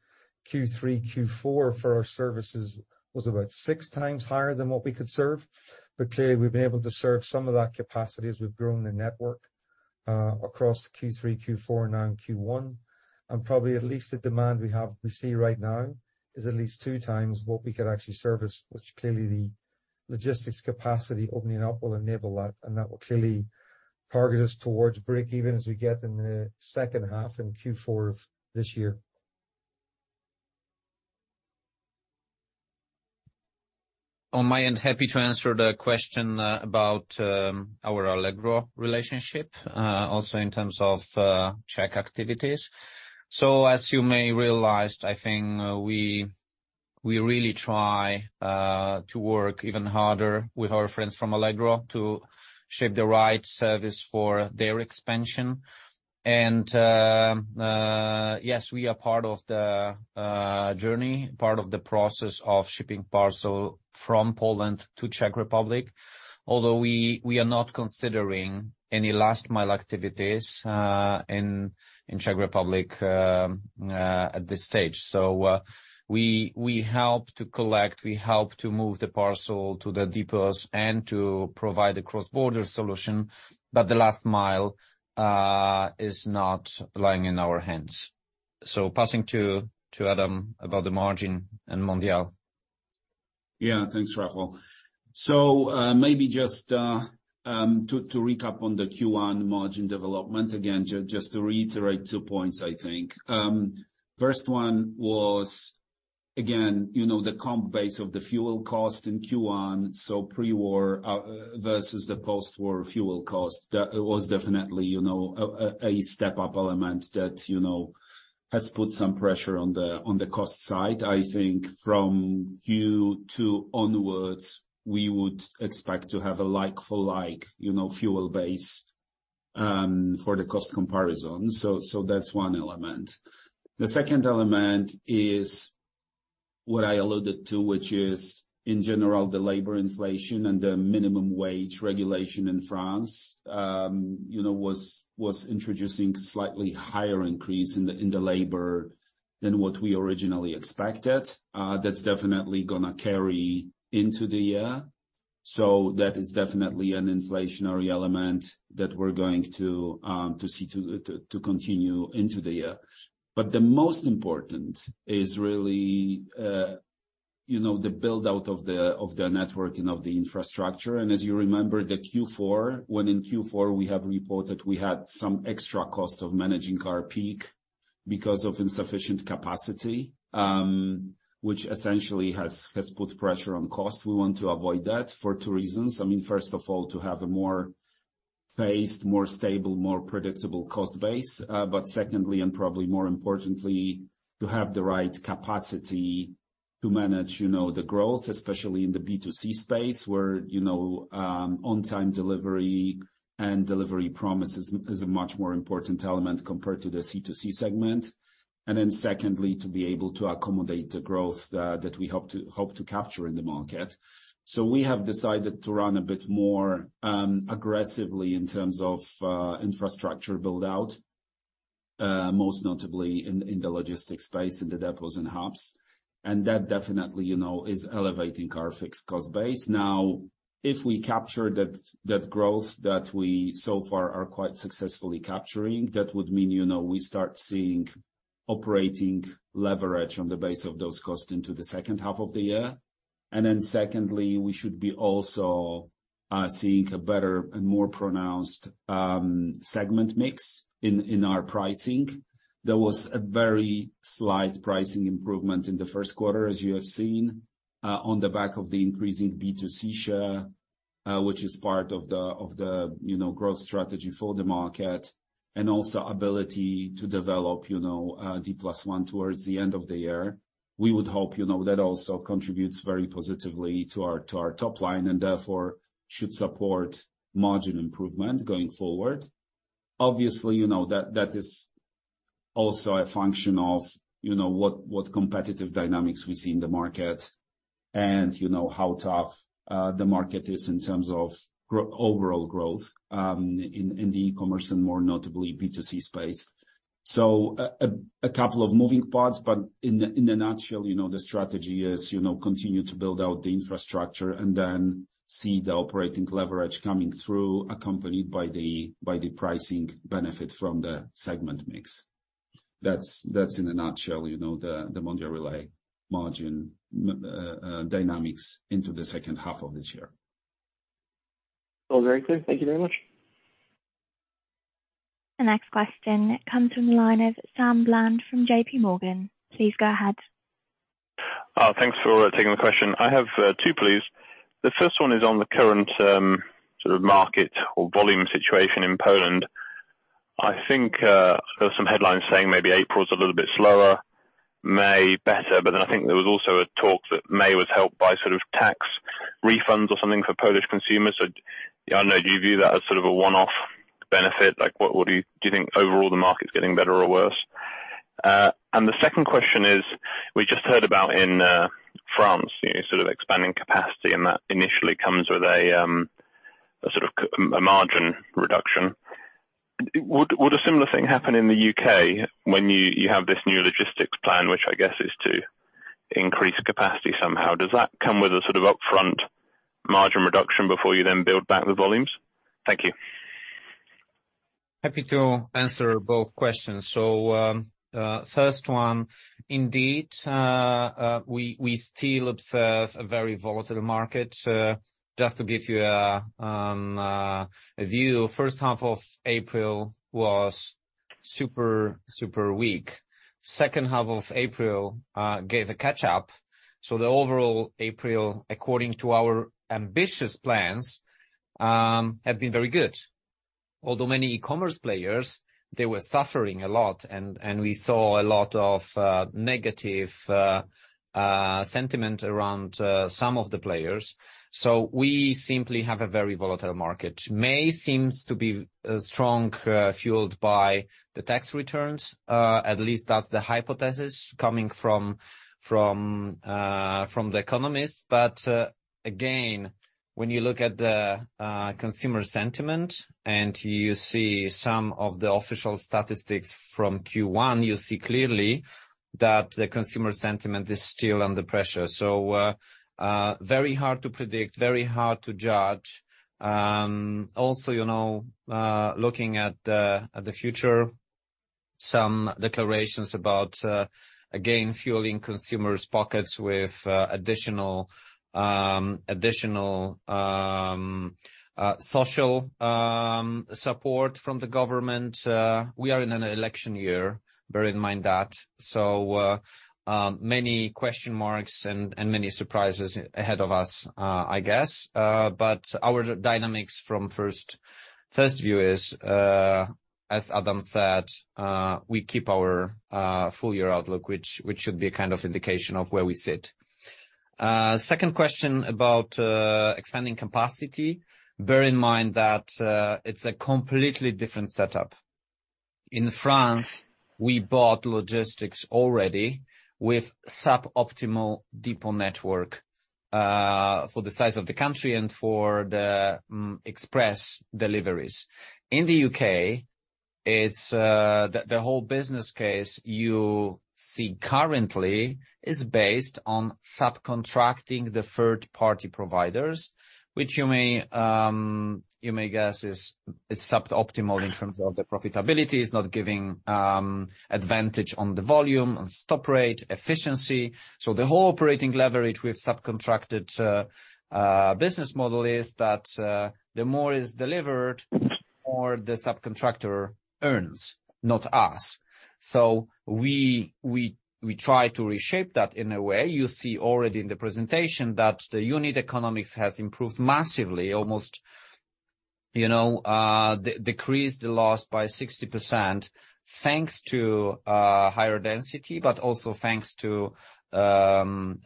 Q3, Q4 for our services was about 6 times higher than what we could serve. Clearly, we've been able to serve some of that capacity as we've grown the network, across Q3, Q4, now in Q1. Probably at least the demand we have, we see right now is at least 2 times what we could actually service, which clearly the logistics capacity opening up will enable that, and that will clearly target us towards break even as we get in the second half in Q4 of this year. On my end, happy to answer the question about our Allegro relationship also in terms of Czech activities. As you may realized, I think we really try to work even harder with our friends from Allegro to shape the right service for their expansion. Yes, we are part of the journey, part of the process of shipping parcel from Poland to Czech Republic. Although we are not considering any last mile activities in Czech Republic at this stage. We help to collect, we help to move the parcel to the depots and to provide a cross-border solution. But the last mile is not lying in our hands. Passing to Adam about the margin and Mondial. Yeah. Thanks, Rafał. Maybe just to recap on the Q1 margin development, again, just to reiterate two points, I think. First one was, again, you know, the comp base of the fuel cost in Q1, so pre-war, versus the post-war fuel cost. That was definitely, you know, a step up element that, you know, has put some pressure on the cost side. I think from Q2 onwards, we would expect to have a like for like, you know, fuel base for the cost comparison. So that's one element. The second element is what I alluded to, which is in general, the labor inflation and the minimum wage regulation in France, you know, was introducing slightly higher increase in the labor than what we originally expected. That's definitely gonna carry into the year. That is definitely an inflationary element that we're going to see to continue into the year. The most important is really, you know, the build-out of the network and of the infrastructure. As you remember the Q4, when in Q4 we have reported we had some extra cost of managing our peak because of insufficient capacity, which essentially has put pressure on cost. We want to avoid that for two reasons. I mean, first of all, to have a more phased, more stable, more predictable cost base. Secondly, and probably more importantly, to have the right capacity to manage, you know, the growth, especially in the B2C space, where, you know, on time delivery and delivery promise is a much more important element compared to the C2C segment. Secondly, to be able to accommodate the growth that we hope to capture in the market. We have decided to run a bit more aggressively in terms of infrastructure build-out, most notably in the logistics space, in the depots and hubs. That definitely, you know, is elevating our fixed cost base. Now, if we capture that growth that we so far are quite successfully capturing, that would mean, you know, we start seeing operating leverage on the base of those costs into the second half of the year. Secondly, we should be also seeing a better and more pronounced segment mix in our pricing. There was a very slight pricing improvement in the first quarter, as you have seen, on the back of the increasing B2C share. Which is part of the, you know, growth strategy for the market and also ability to develop, you know, D+1 towards the end of the year. We would hope, you know, that also contributes very positively to our top line and therefore should support margin improvement going forward. Obviously, you know, that is also a function of, you know, what competitive dynamics we see in the market and you know, how tough the market is in terms of overall growth in the e-commerce and more notably B2C space. A couple of moving parts, but in a nutshell, you know, the strategy is, you know, continue to build out the infrastructure and then see the operating leverage coming through, accompanied by the pricing benefit from the segment mix. That's in a nutshell, you know, the Mondial Relay margin dynamics into the second half of this year. All very clear. Thank you very much. The next question comes from the line of Sam Bland from JP Morgan. Please go ahead. Thanks for taking the question. I have 2, please. The first one is on the current sort of market or volume situation in Poland. I think there were some headlines saying maybe April's a little bit slower, May better. I think there was also a talk that May was helped by sort of tax refunds or something for Polish consumers. I know you view that as sort of a one-off benefit. Like, do you think overall the market's getting better or worse? The second question is, we just heard about in France, you know, sort of expanding capacity and that initially comes with a sort of a margin reduction. Would a similar thing happen in the UK when you have this new logistics plan, which I guess is to increase capacity somehow? Does that come with a sort of upfront margin reduction before you then build back the volumes? Thank you. Happy to answer both questions. First one, indeed, we still observe a very volatile market. Just to give you a view, first half of April was super weak. Second half of April gave a catch up. The overall April, according to our ambitious plans, have been very good. Although many e-commerce players, they were suffering a lot and we saw a lot of negative sentiment around some of the players. We simply have a very volatile market. May seems to be strong, fueled by the tax returns. At least that's the hypothesis coming from the economists. Again, when you look at the consumer sentiment and you see some of the official statistics from Q1, you see clearly that the consumer sentiment is still under pressure. Very hard to predict, very hard to judge. Also, you know, looking at the future, some declarations about again, fueling consumers' pockets with additional social support from the government. We are in an election year, bear in mind that. Many question marks and many surprises ahead of us, I guess. Our dynamics from first view is as Adam said, we keep our full year outlook, which should be a kind of indication of where we sit. Second question about expanding capacity. Bear in mind that it's a completely different setup. In France, we bought logistics already with suboptimal depot network for the size of the country and for the express deliveries. In the U.K., it's the whole business case you see currently is based on subcontracting the third-party providers, which you may guess is suboptimal in terms of the profitability. It's not giving advantage on the volume, on stop rate, efficiency. The whole operating leverage with subcontracted business model is that the more is delivered, the more the subcontractor earns, not us. We try to reshape that in a way. You see already in the presentation that the unit economics has improved massively, almost, you know, decreased the loss by 60% thanks to higher density, but also thanks to supervision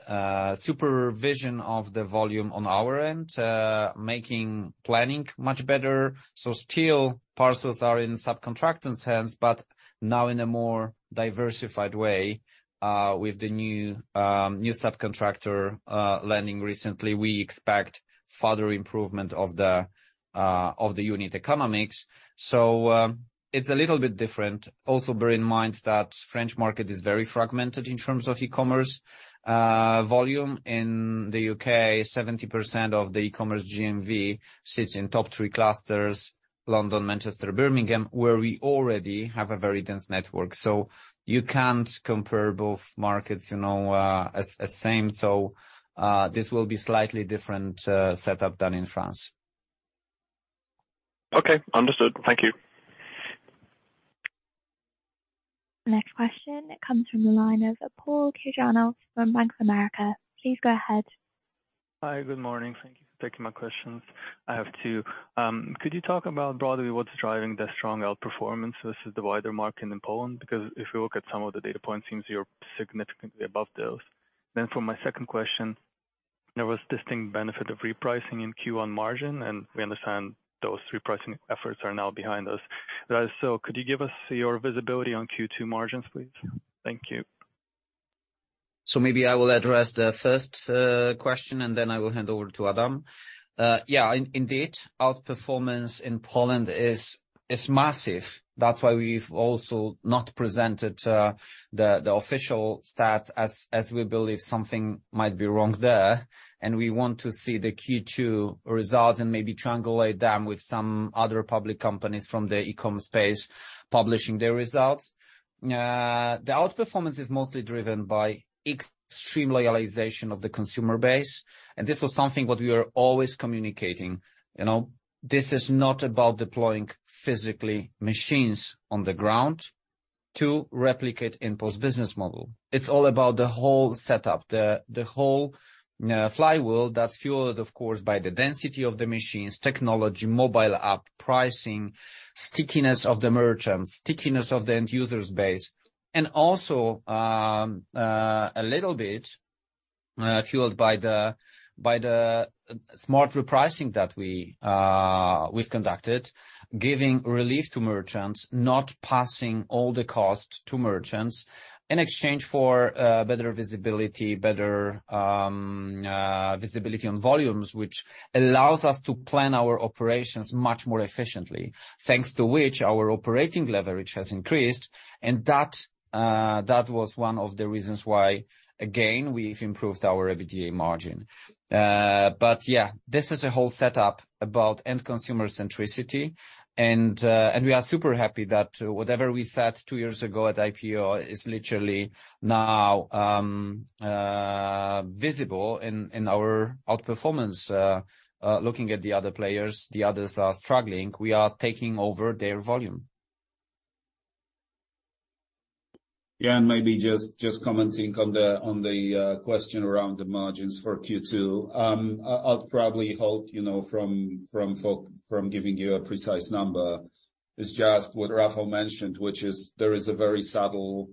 of the volume on our end, making planning much better. Still parcels are in subcontractor's hands, but now in a more diversified way, with the new new subcontractor lending recently, we expect further improvement of the unit economics. It's a little bit different. Also, bear in mind that French market is very fragmented in terms of e-commerce. Volume in the UK, 70% of the e-commerce GMV sits in top 3 clusters, London, Manchester, Birmingham, where we already have a very dense network. You can't compare both markets, you know, as same. This will be slightly different setup than in France. Okay. Understood. Thank you. The next question comes from the line of Paul Bajano from Bank of America. Please go ahead. Hi. Good morning. Thank you for taking my questions. I have 2. Could you talk about broadly what's driving the strong outperformance versus the wider market in Poland? If we look at some of the data points, seems you're significantly above those. For my second question, there was distinct benefit of repricing in Q1 margin, and we understand those repricing efforts are now behind us. That is so. Could you give us your visibility on Q2 margins, please? Thank you. Maybe I will address the first question, and then I will hand over to Adam. Indeed, outperformance in Poland is massive. That's why we've also not presented the official stats as we believe something might be wrong there, and we want to see the Q2 results and maybe triangulate them with some other public companies from the e-com space publishing their results. The outperformance is mostly driven by extreme loyalization of the consumer base, and this was something that we are always communicating. You know, this is not about deploying physically machines on the ground to replicate InPost business model. It's all about the whole setup, the whole flywheel that's fueled, of course, by the density of the machines, technology, mobile app, pricing, stickiness of the merchants, stickiness of the end users base. Also, a little bit fueled by the smart repricing that we've conducted, giving relief to merchants, not passing all the cost to merchants in exchange for better visibility, better visibility on volumes, which allows us to plan our operations much more efficiently, thanks to which our operating leverage has increased, and that was one of the reasons why, again, we've improved our EBITDA margin. This is a whole setup about end consumer centricity. We are super happy that whatever we said 2 years ago at IPO is literally now visible in our outperformance, looking at the other players, the others are struggling. We are taking over their volume. Yeah, maybe just commenting on the question around the margins for Q2. I'll probably hold, you know, from folk from giving you a precise number. It's just what Rafał mentioned, which is there is a very subtle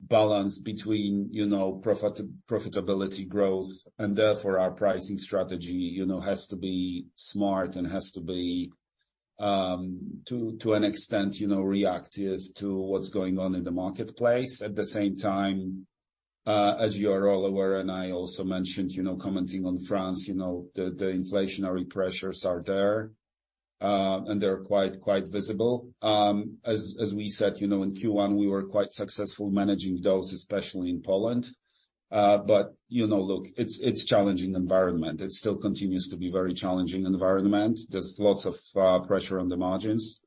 balance between, you know, profitability growth, and therefore our pricing strategy, you know, has to be smart and has to be, to an extent, you know, reactive to what's going on in the marketplace. At the same time, as you are all aware, and I also mentioned, you know, commenting on France, you know, the inflationary pressures are there, and they're quite visible. As we said, you know, in Q1, we were quite successful managing those, especially in Poland. You know, look, it's challenging environment. It still continues to be very challenging environment. There's lots of pressure on the margins.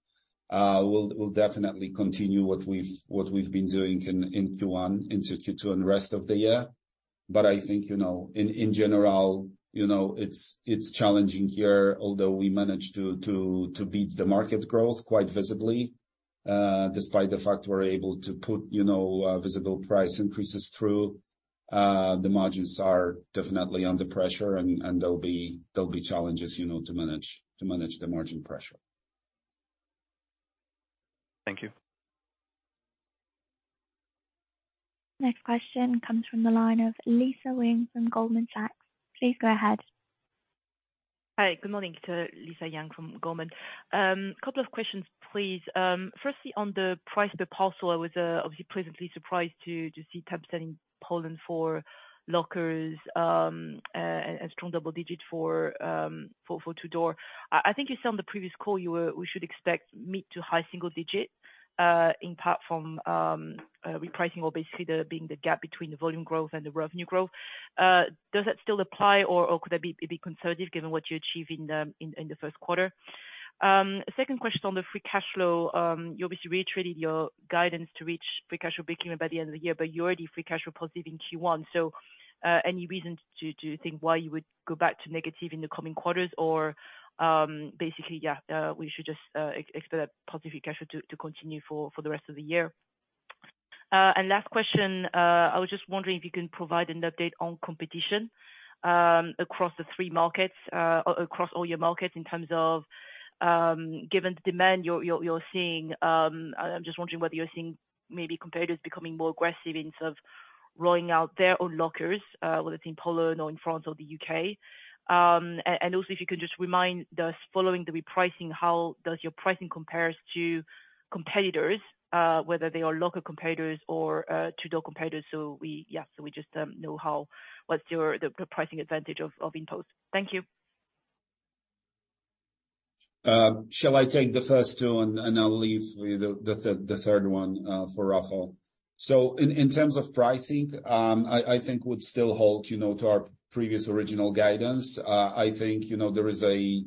We'll definitely continue what we've been doing in Q1 into Q2 and the rest of the year. I think, you know, in general, you know, it's challenging here, although we managed to beat the market growth quite visibly, despite the fact we're able to put, you know, visible price increases through, the margins are definitely under pressure, and there'll be challenges, you know, to manage the margin pressure. Thank you. Next question comes from the line of Lisa Yang from Goldman Sachs. Please go ahead. Hi. Good morning. It's Lisa Yang from Goldman. Couple of questions, please. Firstly, on the price per parcel, I was obviously pleasantly surprised to see temp standing Poland for lockers, and strong double digit for two door. I think you said on the previous call we should expect mid to high single digit in part from repricing or basically the gap between the volume growth and the revenue growth. Does that still apply or could that be conservative given what you achieve in the first quarter? Second question on the Free Cash Flow. You obviously reiterated your guidance to reach Free Cash Flow breakeven by the end of the year, but you're already Free Cash Flow positive in Q1. Any reason to think why you would go back to negative in the coming quarters or, basically, yeah, we should just expect that positive Free Cash Flow to continue for the rest of the year. Last question, I was just wondering if you can provide an update on competition across the three markets, across all your markets in terms of, given the demand you're seeing. I'm just wondering whether you're seeing maybe competitors becoming more aggressive in terms of rolling out their own lockers, whether it's in Poland or in France or the UK. And also if you can just remind us, following the repricing, how does your pricing compares to competitors, whether they are local competitors or, two-door competitors. We, yeah, so we just, know how, what's your, the pricing advantage of InPost. Thank you. Shall I take the first two, and I'll leave the third one for Rafał? In terms of pricing, I think we still hold, you know, to our previous original guidance. I think, you know, there is a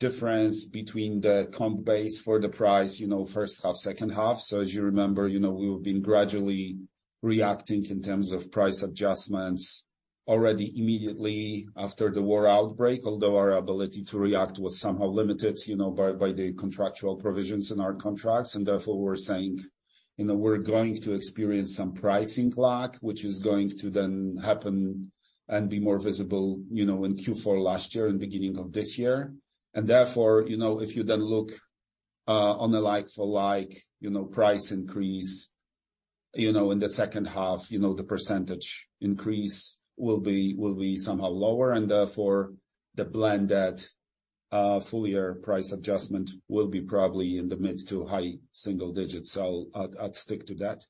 difference between the comp base for the price, you know, first half, second half. As you remember, you know, we've been gradually-Reacting in terms of price adjustments already immediately after the war outbreak. Although our ability to react was somehow limited, you know, by the contractual provisions in our contracts, and therefore, we're saying, you know, we're going to experience some pricing clock, which is going to then happen and be more visible, you know, in Q4 last year and beginning of this year. Therefore, you know, if you then look on a like-for-like, you know, price increase, you know, in the second half, you know, the % increase will be somehow lower, and therefore the blend at fuller price adjustment will be probably in the mid-to-high single digits. I'll stick to that.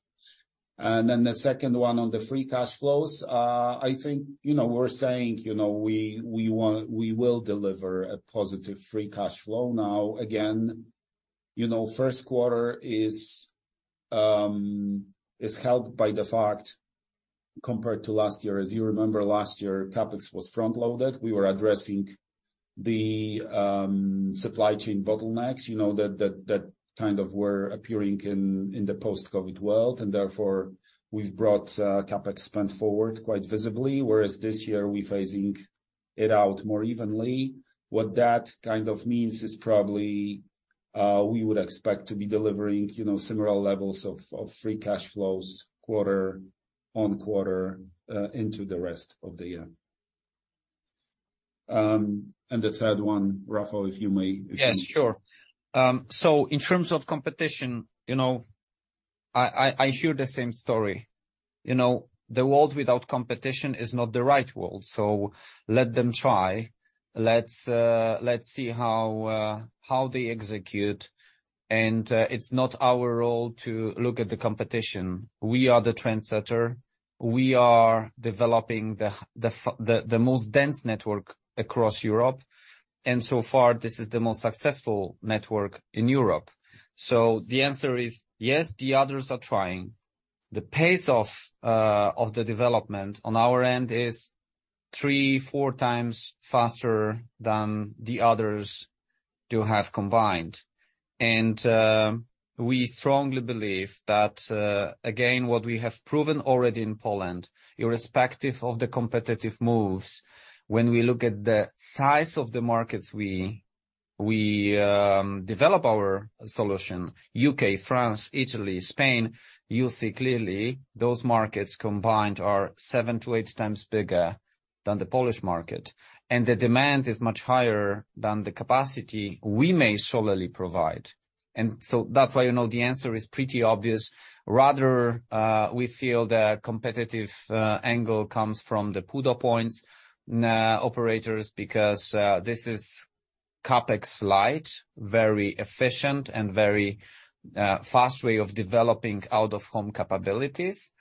The second one on the Free Cash Flows, I think, you know, we're saying, you know, we will deliver a positive Free Cash Flow. Now, again, you know, first quarter is helped by the fact compared to last year. As you remember, last year, CapEx was front-loaded. We were addressing the supply chain bottlenecks, you know, that kind of were appearing in the post-COVID world. Therefore we've brought CapEx spend forward quite visibly, whereas this year we facing it out more evenly. What that kind of means is probably, we would expect to be delivering, you know, similar levels of Free Cash Flows quarter on quarter into the rest of the year. The third one, Rafał, if you may. Yes, sure. In terms of competition, you know, I, I hear the same story. You know, the world without competition is not the right world, so let them try. Let's see how they execute. It's not our role to look at the competition. We are the trendsetter. We are developing the most dense network across Europe, and so far, this is the most successful network in Europe. The answer is yes, the others are trying. The pace of the development on our end is three, four times faster than the others do have combined. We strongly believe that, again, what we have proven already in Poland, irrespective of the competitive moves, when we look at the size of the markets we develop our solution, U.K., France, Italy, Spain, you see clearly those markets combined are seven to eight times bigger than the Polish market. The demand is much higher than the capacity we may solely provide. That's why, you know, the answer is pretty obvious. Rather, we feel the competitive angle comes from the PUDO points in our operators, because this is CapEx light, very efficient and very fast way of developing out-of-home capabilities.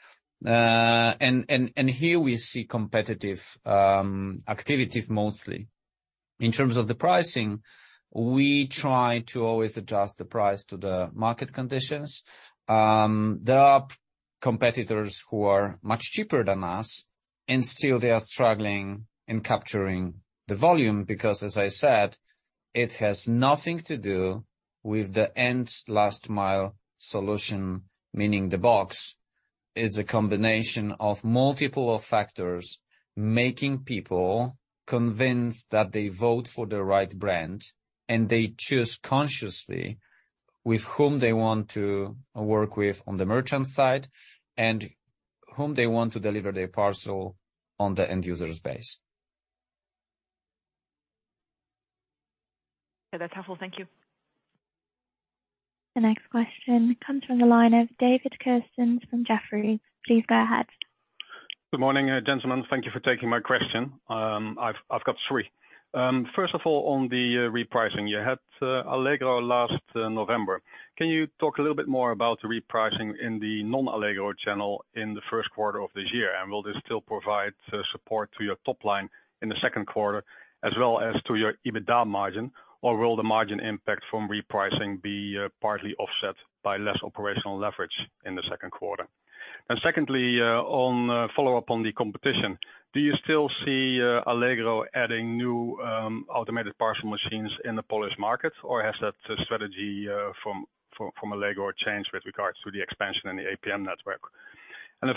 And here we see competitive activities mostly. In terms of the pricing, we try to always adjust the price to the market conditions. There are competitors who are much cheaper than us, and still they are struggling in capturing the volume. As I said, it has nothing to do with the end last-mile solution, meaning the box. It's a combination of multiple of factors making people convinced that they vote for the right brand, and they choose consciously with whom they want to work with on the merchant side, and whom they want to deliver their parcel on the end user's base. Yeah, that's helpful. Thank you. The next question comes from the line of David Kerstens from Jefferies. Please go ahead. Good morning, gentlemen. Thank you for taking my question. I've got 3. First of all, on the repricing. You had Allegro last November. Can you talk a little bit more about the repricing in the non-Allegro channel in the first quarter of this year? Will this still provide support to your top line in the second quarter as well as to your EBITDA margin, or will the margin impact from repricing be partly offset by less operational leverage in the second quarter? Secondly, on follow-up on the competition. Do you still see Allegro adding new automated parcel machines in the Polish market, or has that strategy from Allegro changed with regards to the expansion in the APM network?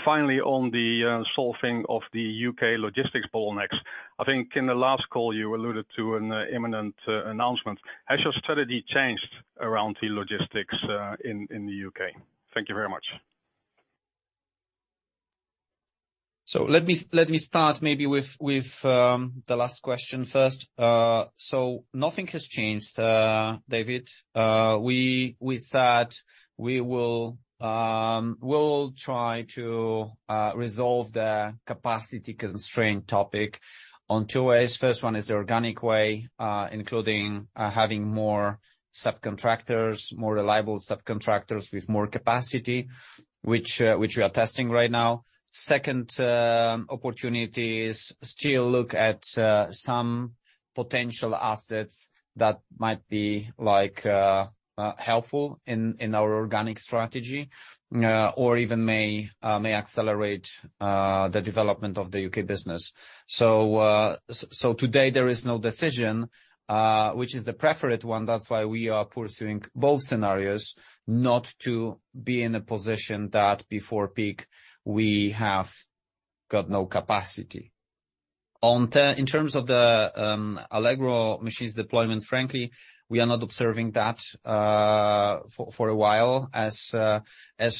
Finally on the solving of the UK logistics bottlenecks, I think in the last call you alluded to an imminent announcement. Has your strategy changed around the logistics in the UK? Thank you very much. Let me start maybe with the last question first. Nothing has changed, David. We said we will try to resolve the capacity constraint topic on two ways. First one is the organic way, including having more subcontractors, more reliable subcontractors with more capacity, which we are testing right now. Second, opportunity is still look at some potential assets that might be like helpful in our organic strategy or even may accelerate the development of the UK business. So today there is no decision which is the preferred one. That's why we are pursuing both scenarios, not to be in a position that before peak we have got no capacity. In terms of the Allegro machines deployment, frankly, we are not observing that for a while as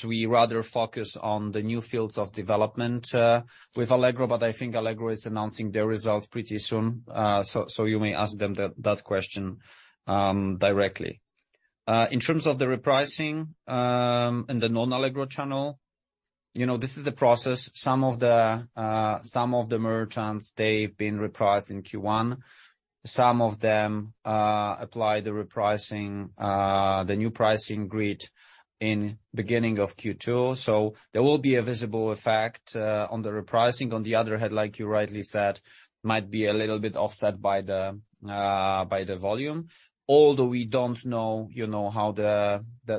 we rather focus on the new fields of development with Allegro. I think Allegro is announcing their results pretty soon. You may ask them that question directly. In terms of the repricing in the non-Allegro channel, you know, this is a process. Some of the merchants, they've been repriced in Q1. Some of them apply the repricing the new pricing grid in beginning of Q2. There will be a visible effect on the repricing. On the other hand, like you rightly said, might be slightly offset by changes in volume. Although we don't know, you know, how the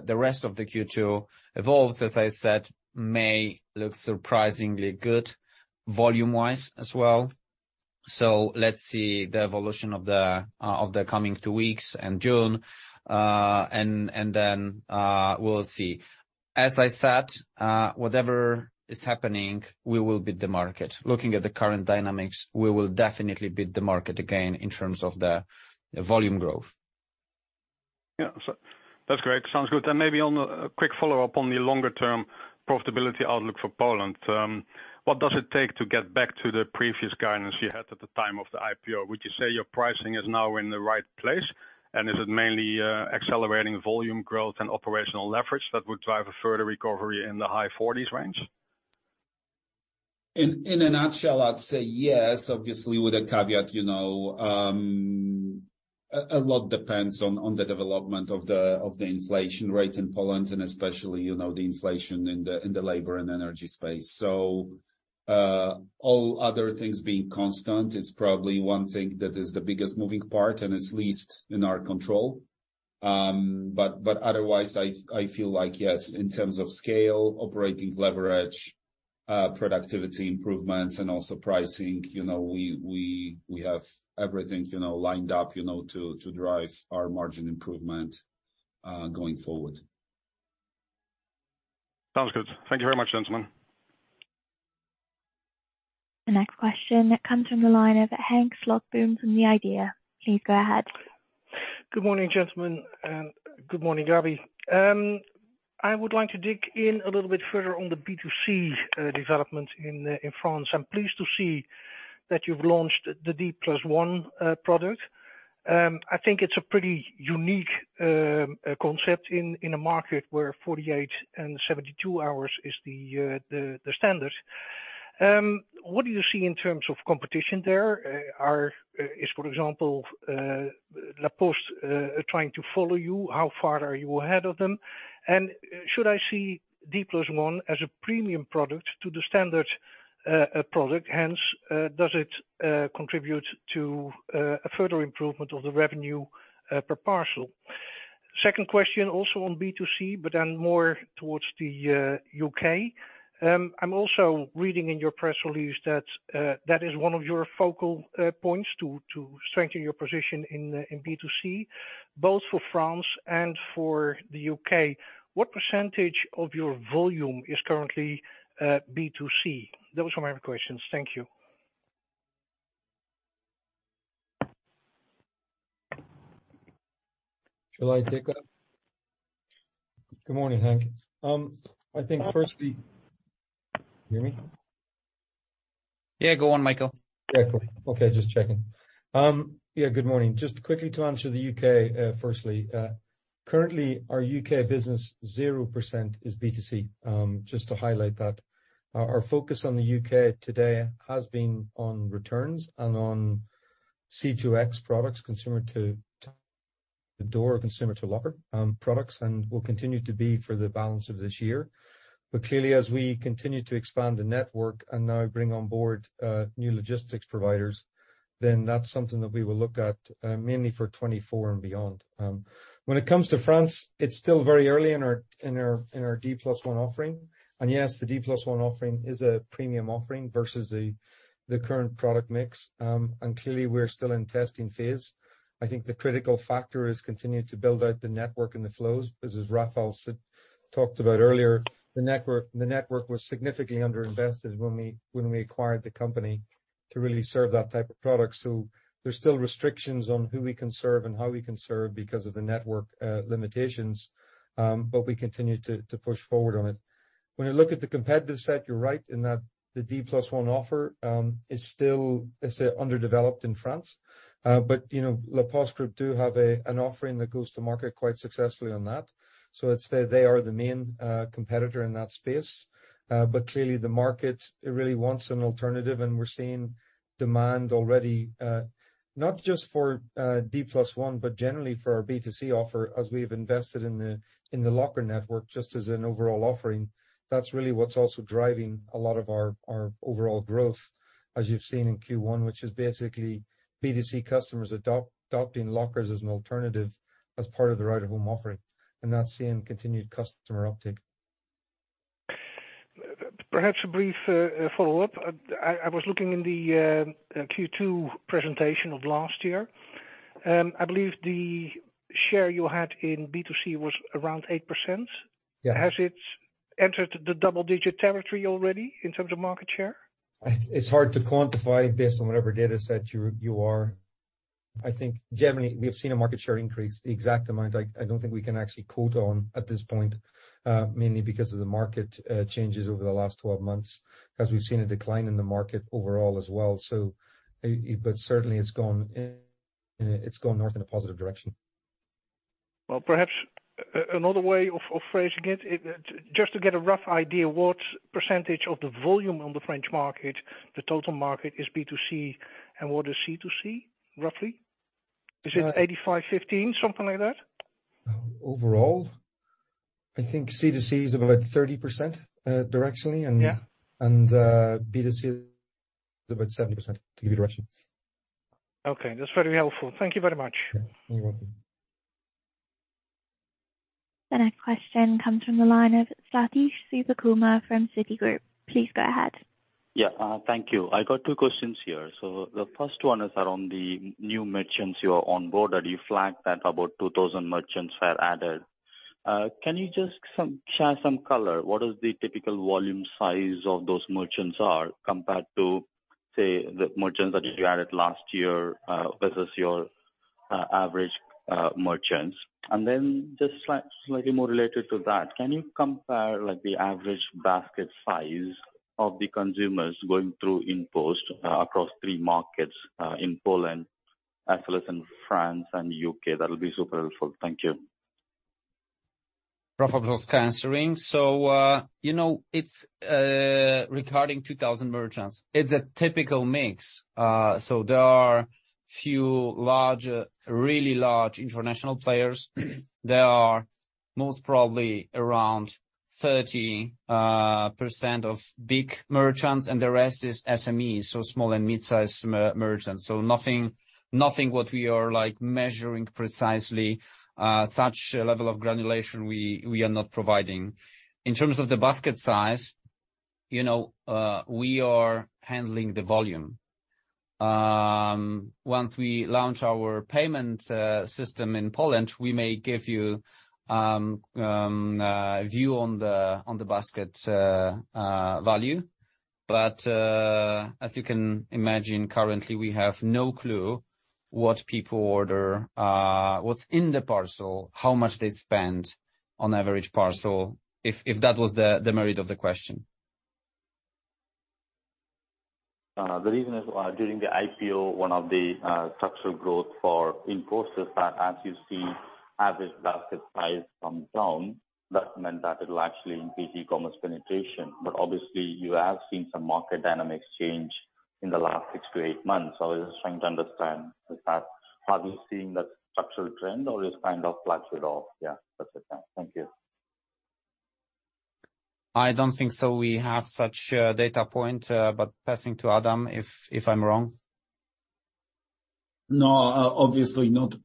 rest of the Q2 evolves, as I said, may look surprisingly good volume-wise as well. Let's see the evolution of the coming two weeks and June. Then we'll see. As I said, whatever is happening, we will beat the market. Looking at the current dynamics, we will definitely beat the market again in terms of the volume growth. Yeah. That's great. Sounds good. Maybe on a quick follow-up on the longer term profitability outlook for Poland. What does it take to get back to the previous guidance you had at the time of the IPO? Would you say your pricing is now in the right place? Is it mainly accelerating volume growth and operational leverage that would drive a further recovery in the high forties range? In a nutshell, I'd say yes, obviously, with a caveat, you know, a lot depends on the development of the inflation rate in Poland, and especially, you know, the inflation in the labor and energy space. All other things being constant, it's probably one thing that is the biggest moving part and it's least in our control. But otherwise, I feel like, yes, in terms of scale, operating leverage, productivity improvements, and also pricing, you know, we have everything, you know, lined up, you know, to drive our margin improvement going forward. Sounds good. Thank you very much, gentlemen. The next question comes from the line of Henk Slotboom from The Idea. Please go ahead. Good morning, gentlemen, and good morning, Gabi. I would like to dig in a little bit further on the B2C development in France. I'm pleased to see that you've launched the D+1 product. I think it's a pretty unique concept in a market where 48 and 72 hours is the standard. What do you see in terms of competition there? Is, for example, La Poste trying to follow you? How far are you ahead of them? Should I see D+1 as a premium product to the standard product, hence, does it contribute to a further improvement of the revenue per parcel? Second question, also on B2C, but then more towards the UK. I'm also reading in your press release that that is one of your focal points to strengthen your position in B2C, both for France and for the UK. What % of your volume is currently B2C? Those were my questions. Thank you. Shall I take that? Good morning, Henk. I think firstly... Hear me? Yeah, go on, Michael. Yeah, cool. Okay, just checking. Yeah, good morning. Just quickly to answer the UK, firstly. Currently, our UK business 0% is B2C, just to highlight that. Our focus on the UK today has been on returns and on C2X products, consumer to door, consumer to locker, products, will continue to be for the balance of this year. Clearly, as we continue to expand the network and now bring on board new logistics providers, that's something that we will look at mainly for 2024 and beyond. When it comes to France, it's still very early in our D+1 offering. Yes, the D+1 offering is a premium offering versus the current product mix. Clearly, we're still in testing phase. I think the critical factor is continuing to build out the network and the flows, because as Rafał talked about earlier, the network was significantly underinvested when we acquired the company to really serve that type of product. There's still restrictions on who we can serve and how we can serve because of the network limitations. We continue to push forward on it. When you look at the competitive set, you're right in that the D+1 offer is still, let's say, underdeveloped in France. You know, La Poste Group do have an offering that goes to market quite successfully on that. Let's say they are the main competitor in that space. Clearly the market, it really wants an alternative, and we're seeing demand already, not just for D+1, but generally for our B2C offer, as we've invested in the locker network, just as an overall offering. That's really what's also driving a lot of our overall growth, as you've seen in Q1, which is basically B2C customers adopting lockers as an alternative as part of their right at home offering. That's seeing continued customer uptake. Perhaps a brief, follow-up. I was looking in the Q2 presentation of last year. I believe the share you had in B2C was around 8%. Yeah. Has it entered the double digit territory already in terms of market share? It's hard to quantify based on whatever data set you are. I think generally we have seen a market share increase. The exact amount, I don't think we can actually quote on at this point, mainly because of the market changes over the last 12 months, 'cause we've seen a decline in the market overall as well. But certainly it's gone north in a positive direction. Well, perhaps another way of phrasing it, just to get a rough idea, what % of the volume on the French market, the total market is B2C and what is C2C roughly? Uh- Is it 85/15, something like that? Overall, I think C2C is about 30%, directionally. Yeah. B2C is about 70% to give you direction. Okay. That's very helpful. Thank you very much. You're welcome. The next question comes from the line of Sathish Seshadri from Citigroup. Please go ahead. Yeah. Thank you. I got 2 questions here. The first one is around the new merchants you are on board. You flagged that about 2,000 merchants were added. Can you just Share some color? What is the typical volume size of those merchants are compared to, say, the merchants that you added last year, versus your average merchants? Just slightly more related to that, can you compare like the average basket size of the consumers going through InPost across 3 markets, in Poland as well as in France and U.K.? That would be super helpful. Thank you. Rafał Brzoska answering. You know, it's regarding 2,000 merchants, it's a typical mix. There are few large, really large international players. There are most probably around 30% of big merchants, and the rest is SMEs, so small and mid-sized merchants. Nothing, nothing what we are like measuring precisely. Such level of granulation we are not providing. In terms of the basket size, you know, we are handling the volume. Once we launch our payment system in Poland, we may give you a view on the basket value. As you can imagine, currently we have no clue what people order, what's in the parcel, how much they spend on average parcel, if that was the merit of the question. The reason is, during the IPO, one of the structural growth for InPost is that as you see average basket size come down, that meant that it will actually increase e-commerce penetration. Obviously you have seen some market dynamics change in the last 6-8 months. I was just trying to understand is that, have you seen that structural trend or is kind of flat with all? Yeah, that's it. Thank you. I don't think so. We have this data point, but if I’m wrong, I’ll defer. Obviously, not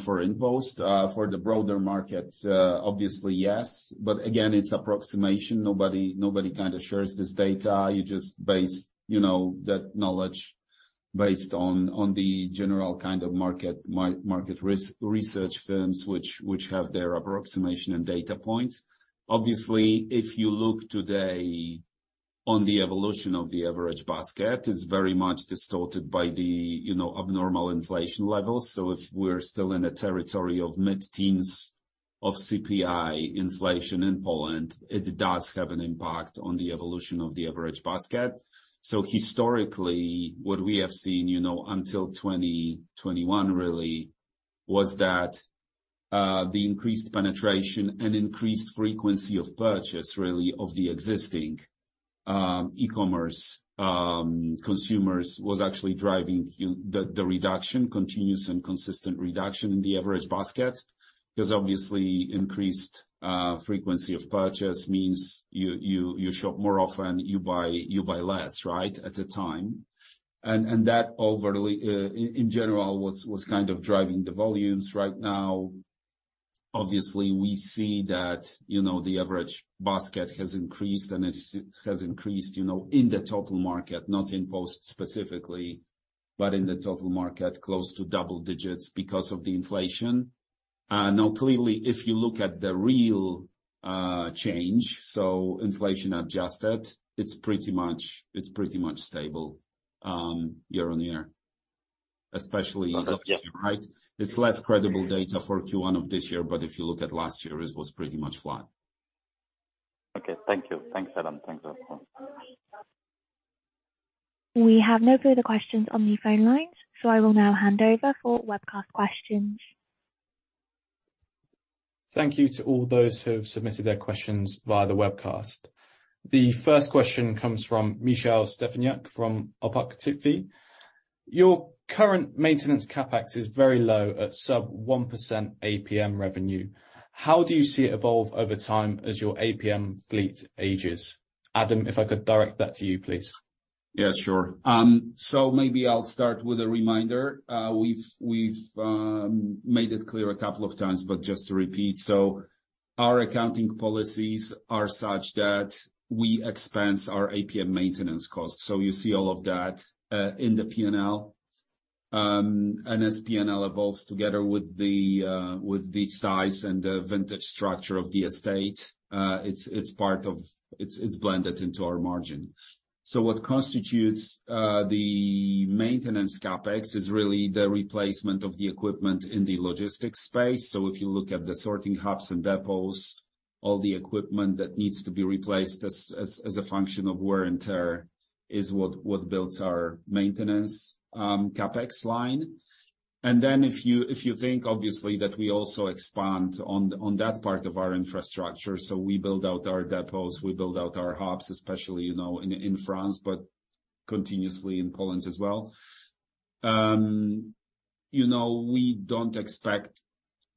for InPost specifically. For the broader market, yes, there are approximations, again based on general market research. Nobody kinda shares this data. You just base, you know, that knowledge based on the general kind of market research firms, which have their approximation and data points. Obviously, if you look today on the evolution of the average basket, it's very much distorted by the, you know, abnormal inflation levels. If we're still in a territory of mid-teens of CPI inflation in Poland, it does have an impact on the evolution of the average basket. Historically, what we have seen, you know, until 2021 really was that the increased penetration and increased frequency of purchase really of the existing e-commerce consumers was actually driving the reduction, continuous and consistent reduction in the average basket. Because obviously increased frequency of purchase means you shop more often, you buy less, right? At the time. And that overly in general was kind of driving the volumes. Right now, obviously we see that, you know, the average basket has increased, and it has increased, you know, in the total market, not InPost specifically, but in the total market, close to double digits because of the inflation. Now clearly, if you look at the real, change, so inflation adjusted, it's pretty much stable, year-over-year. Okay. Yeah. Right? It's less credible data for Q1 of this year, but if you look at last year, it was pretty much flat. Okay. Thank you. Thanks, Adam. Thanks, Rafał. We have no further questions on the phone lines, so I will now hand over for webcast questions. Thank you to all those who have submitted their questions via the webcast. The first question comes from Michal Stefaniak from Pekao BM. Your current maintenance CapEx is very low at sub 1% APM revenue. How do you see it evolve over time as your APM fleet ages? Adam, if I could direct that to you, please. Sure. Maybe I'll start with a reminder. We've made it clear a couple of times, but just to repeat. Our accounting policies are such that we expense our APM maintenance costs. You see all of that in the PNL. As PNL evolves together with the size and the vintage structure of the estate, it's blended into our margin. What constitutes the maintenance CapEx is really the replacement of the equipment in the logistics space. If you look at the sorting hubs and depots, all the equipment that needs to be replaced as a function of wear and tear is what builds our maintenance CapEx line. If you think obviously that we also expand on that part of our infrastructure, so we build out our depots, we build out our hubs, especially, you know, in France, but continuously in Poland as well. You know, we don't expect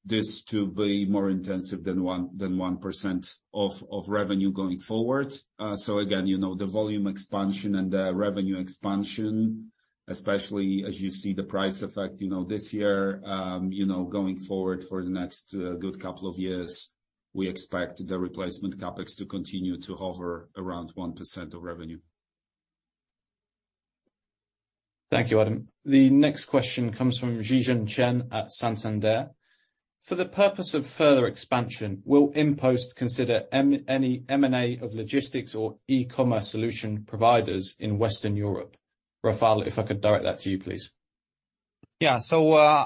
this to be more intensive than 1% of revenue going forward. Again, you know, the volume expansion and the revenue expansion, especially as you see the price effect, you know, this year, you know, going forward for the next good couple of years, we expect the replacement CapEx to continue to hover around 1% of revenue. Thank you, Adam. The next question comes from Tomasz Sokołowski at Santander. For the purpose of further expansion, will InPost consider any M&A of logistics or e-commerce solution providers in Western Europe? Rafał, if I could direct that to you, please. Yeah.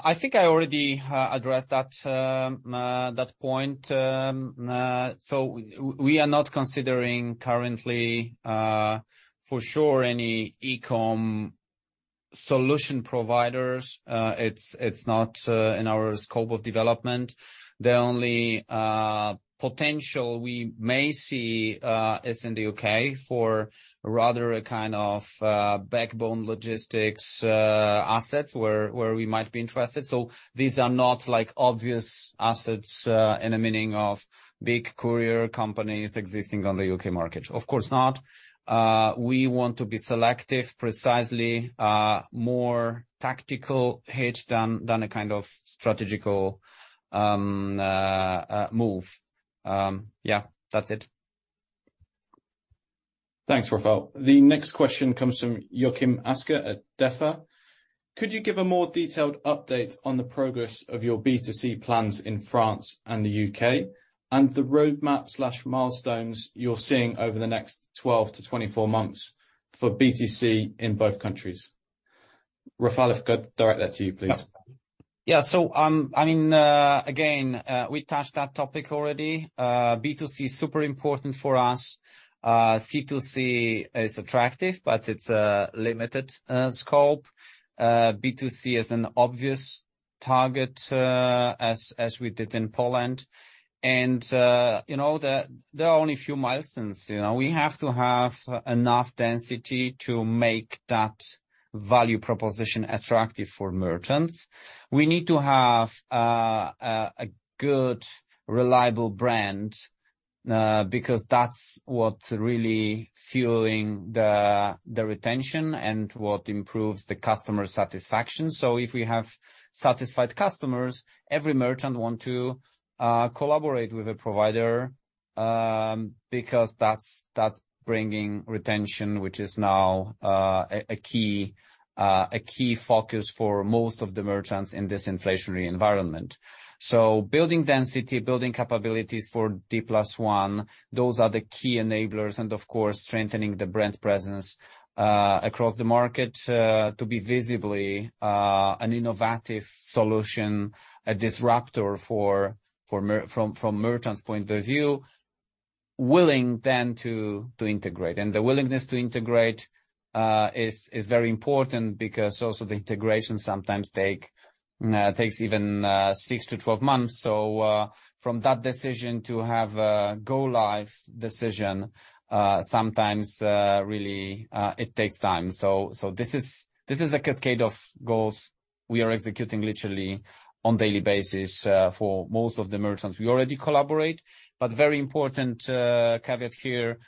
I think I already addressed that point. We are not considering currently for sure any e-com solution providers. It's not in our scope of development. The only potential we may see is in the UK for rather a kind of backbone logistics assets where we might be interested. These are not like obvious assets in the meaning of big courier companies existing on the UK market. Of course not. We want to be selective precisely more tactical hedge than a kind of strategical move. Yeah. That's it. Thanks, Rafał. The next question comes from Joachim Bolton at SEB. Could you give a more detailed update on the progress of your B2C plans in France and the UK, and the roadmap/milestones you're seeing over the next 12-24 months for B2C in both countries? Rafał, if I could direct that to you, please. I mean, again, we touched that topic already. B2C is super important for us. C2C is attractive, but it's a limited scope. B2C is an obvious target, as we did in Poland. And, you know, there are only a few milestones, you know. We have to have enough density to make that value proposition attractive for merchants. We need to have a good reliable brand, because that's what really fueling the retention and what improves the customer satisfaction. So if we have satisfied customers, every merchant want to collaborate with the provider, because that's bringing retention, which is now a key focus for most of the merchants in this inflationary environment. Building density, building capabilities for D+1, those are the key enablers, and of course, strengthening the brand presence across the market to be visibly an innovative solution, a disruptor from merchant's point of view, willing then to integrate. The willingness to integrate is very important because also the integration sometimes takes even 6-12 months. From that decision to have a go live decision, sometimes really it takes time. This is a cascade of goals we are executing literally on daily basis for most of the merchants. We already collaborate, but very important caveat here.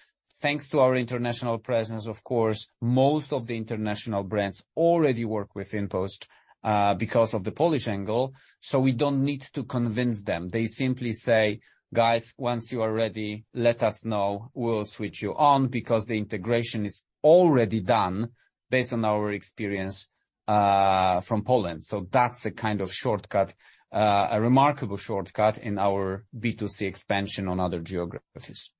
Thanks to our international presence, of course, most of the international brands already work with InPost because of the Polish angle, so we don't need to convince them. They simply say, "Guys, once you are ready, let us know. We'll switch you on," because the integration is already done based on our experience from Poland. That's a kind of shortcut, a remarkable shortcut in our B2C expansion on other geographies.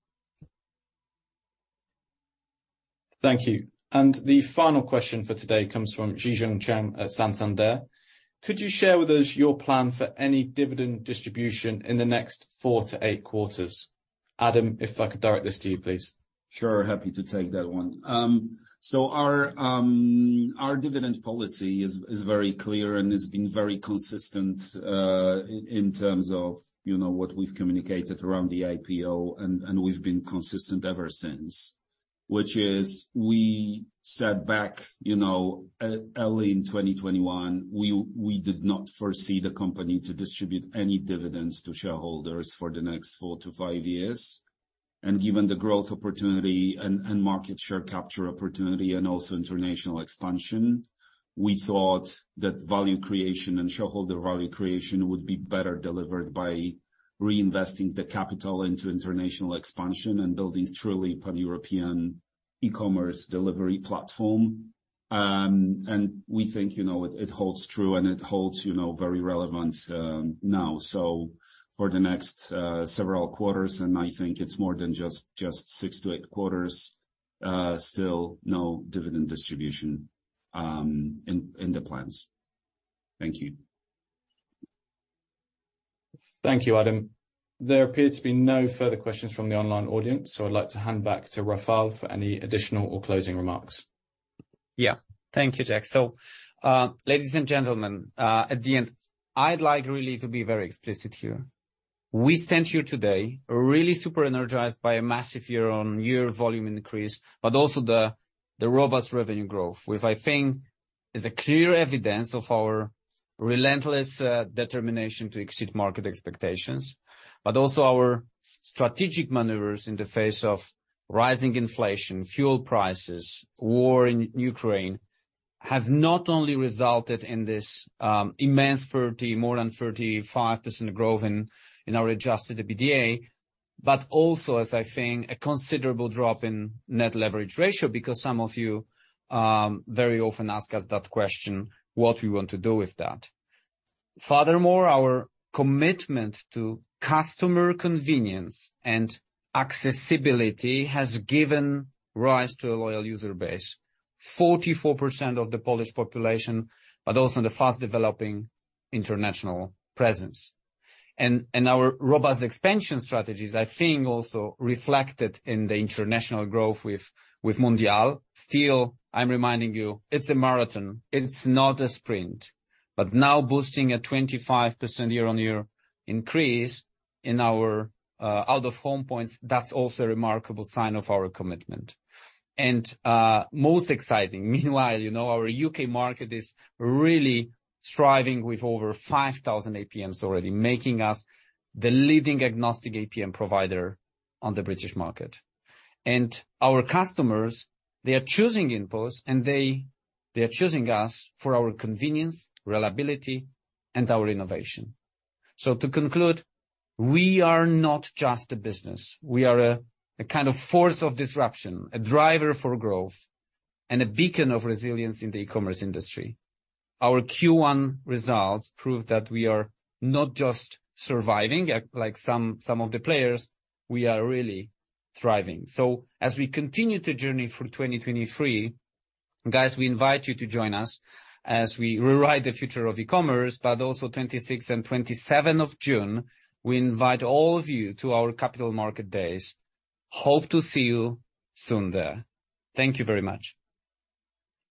Thank you. The final question for today comes from Tomasz Sokołowski at Santander. Could you share with us your plan for any dividend distribution in the next 4-8 quarters? Adam, if I could direct this to you, please. Sure. Happy to take that one. Our dividend policy is very clear and has been very consistent in terms of, you know, what we've communicated around the IPO and we've been consistent ever since. We sat back, you know, early in 2021, we did not foresee the company to distribute any dividends to shareholders for the next 4-5 years. Given the growth opportunity and market share capture opportunity and also international expansion, we thought that value creation and shareholder value creation would be better delivered by reinvesting the capital into international expansion and building truly Pan-European e-commerce delivery platform. We think, you know, it holds true and it holds, you know, very relevant now. For the next several quarters, and I think it's more than just 6-8 quarters, still no dividend distribution in the plans. Thank you. Thank you, Adam. There appears to be no further questions from the online audience, so I'd like to hand back to Rafał for any additional or closing remarks. Thank you, Jack. Ladies and gentlemen, I’d like to be very explicit. We stand here today energized by a massive year-on-year volume increase also the robust revenue growth, which I think is a clear evidence of our relentless determination to exceed market expectations. Also our strategic maneuvers in the face of rising inflation, fuel prices, war in Ukraine, have not only resulted in this immense 30, more than 35% growth in our adjusted EBITDA, also, as I think, a considerable drop in Net Leverage Ratio, because some of you very often ask us that question, what we want to do with that. Our commitment to customer convenience and accessibility has given rise to a loyal user base, 44% of the Polish population, but also in the fast-developing international presence. Our robust expansion strategies, I think also reflected in the international growth with Mondial. Still, I'm reminding you, it's a marathon. It's not a sprint. Now boosting a 25% year-on-year increase in our out of home points, that's also a remarkable sign of our commitment. Most exciting, meanwhile, you know, our U.K. market is really thriving with over 5,000 APMs already, making us the leading agnostic APM provider on the British market. Our customers, they are choosing InPost, and they are choosing us for our convenience, reliability, and our innovation. To conclude, we are not just a business. We are a kind of force of disruption, a driver for growth, and a beacon of resilience in the e-commerce industry. Our Q1 results prove that we are not just surviving like some of the players, we are really thriving. As we continue to journey through 2023, guys, we invite you to join us as we rewrite the future of e-commerce, also 26th and 27th of June, we invite all of you to our Capital Markets Days. Hope to see you soon there. Thank you very much.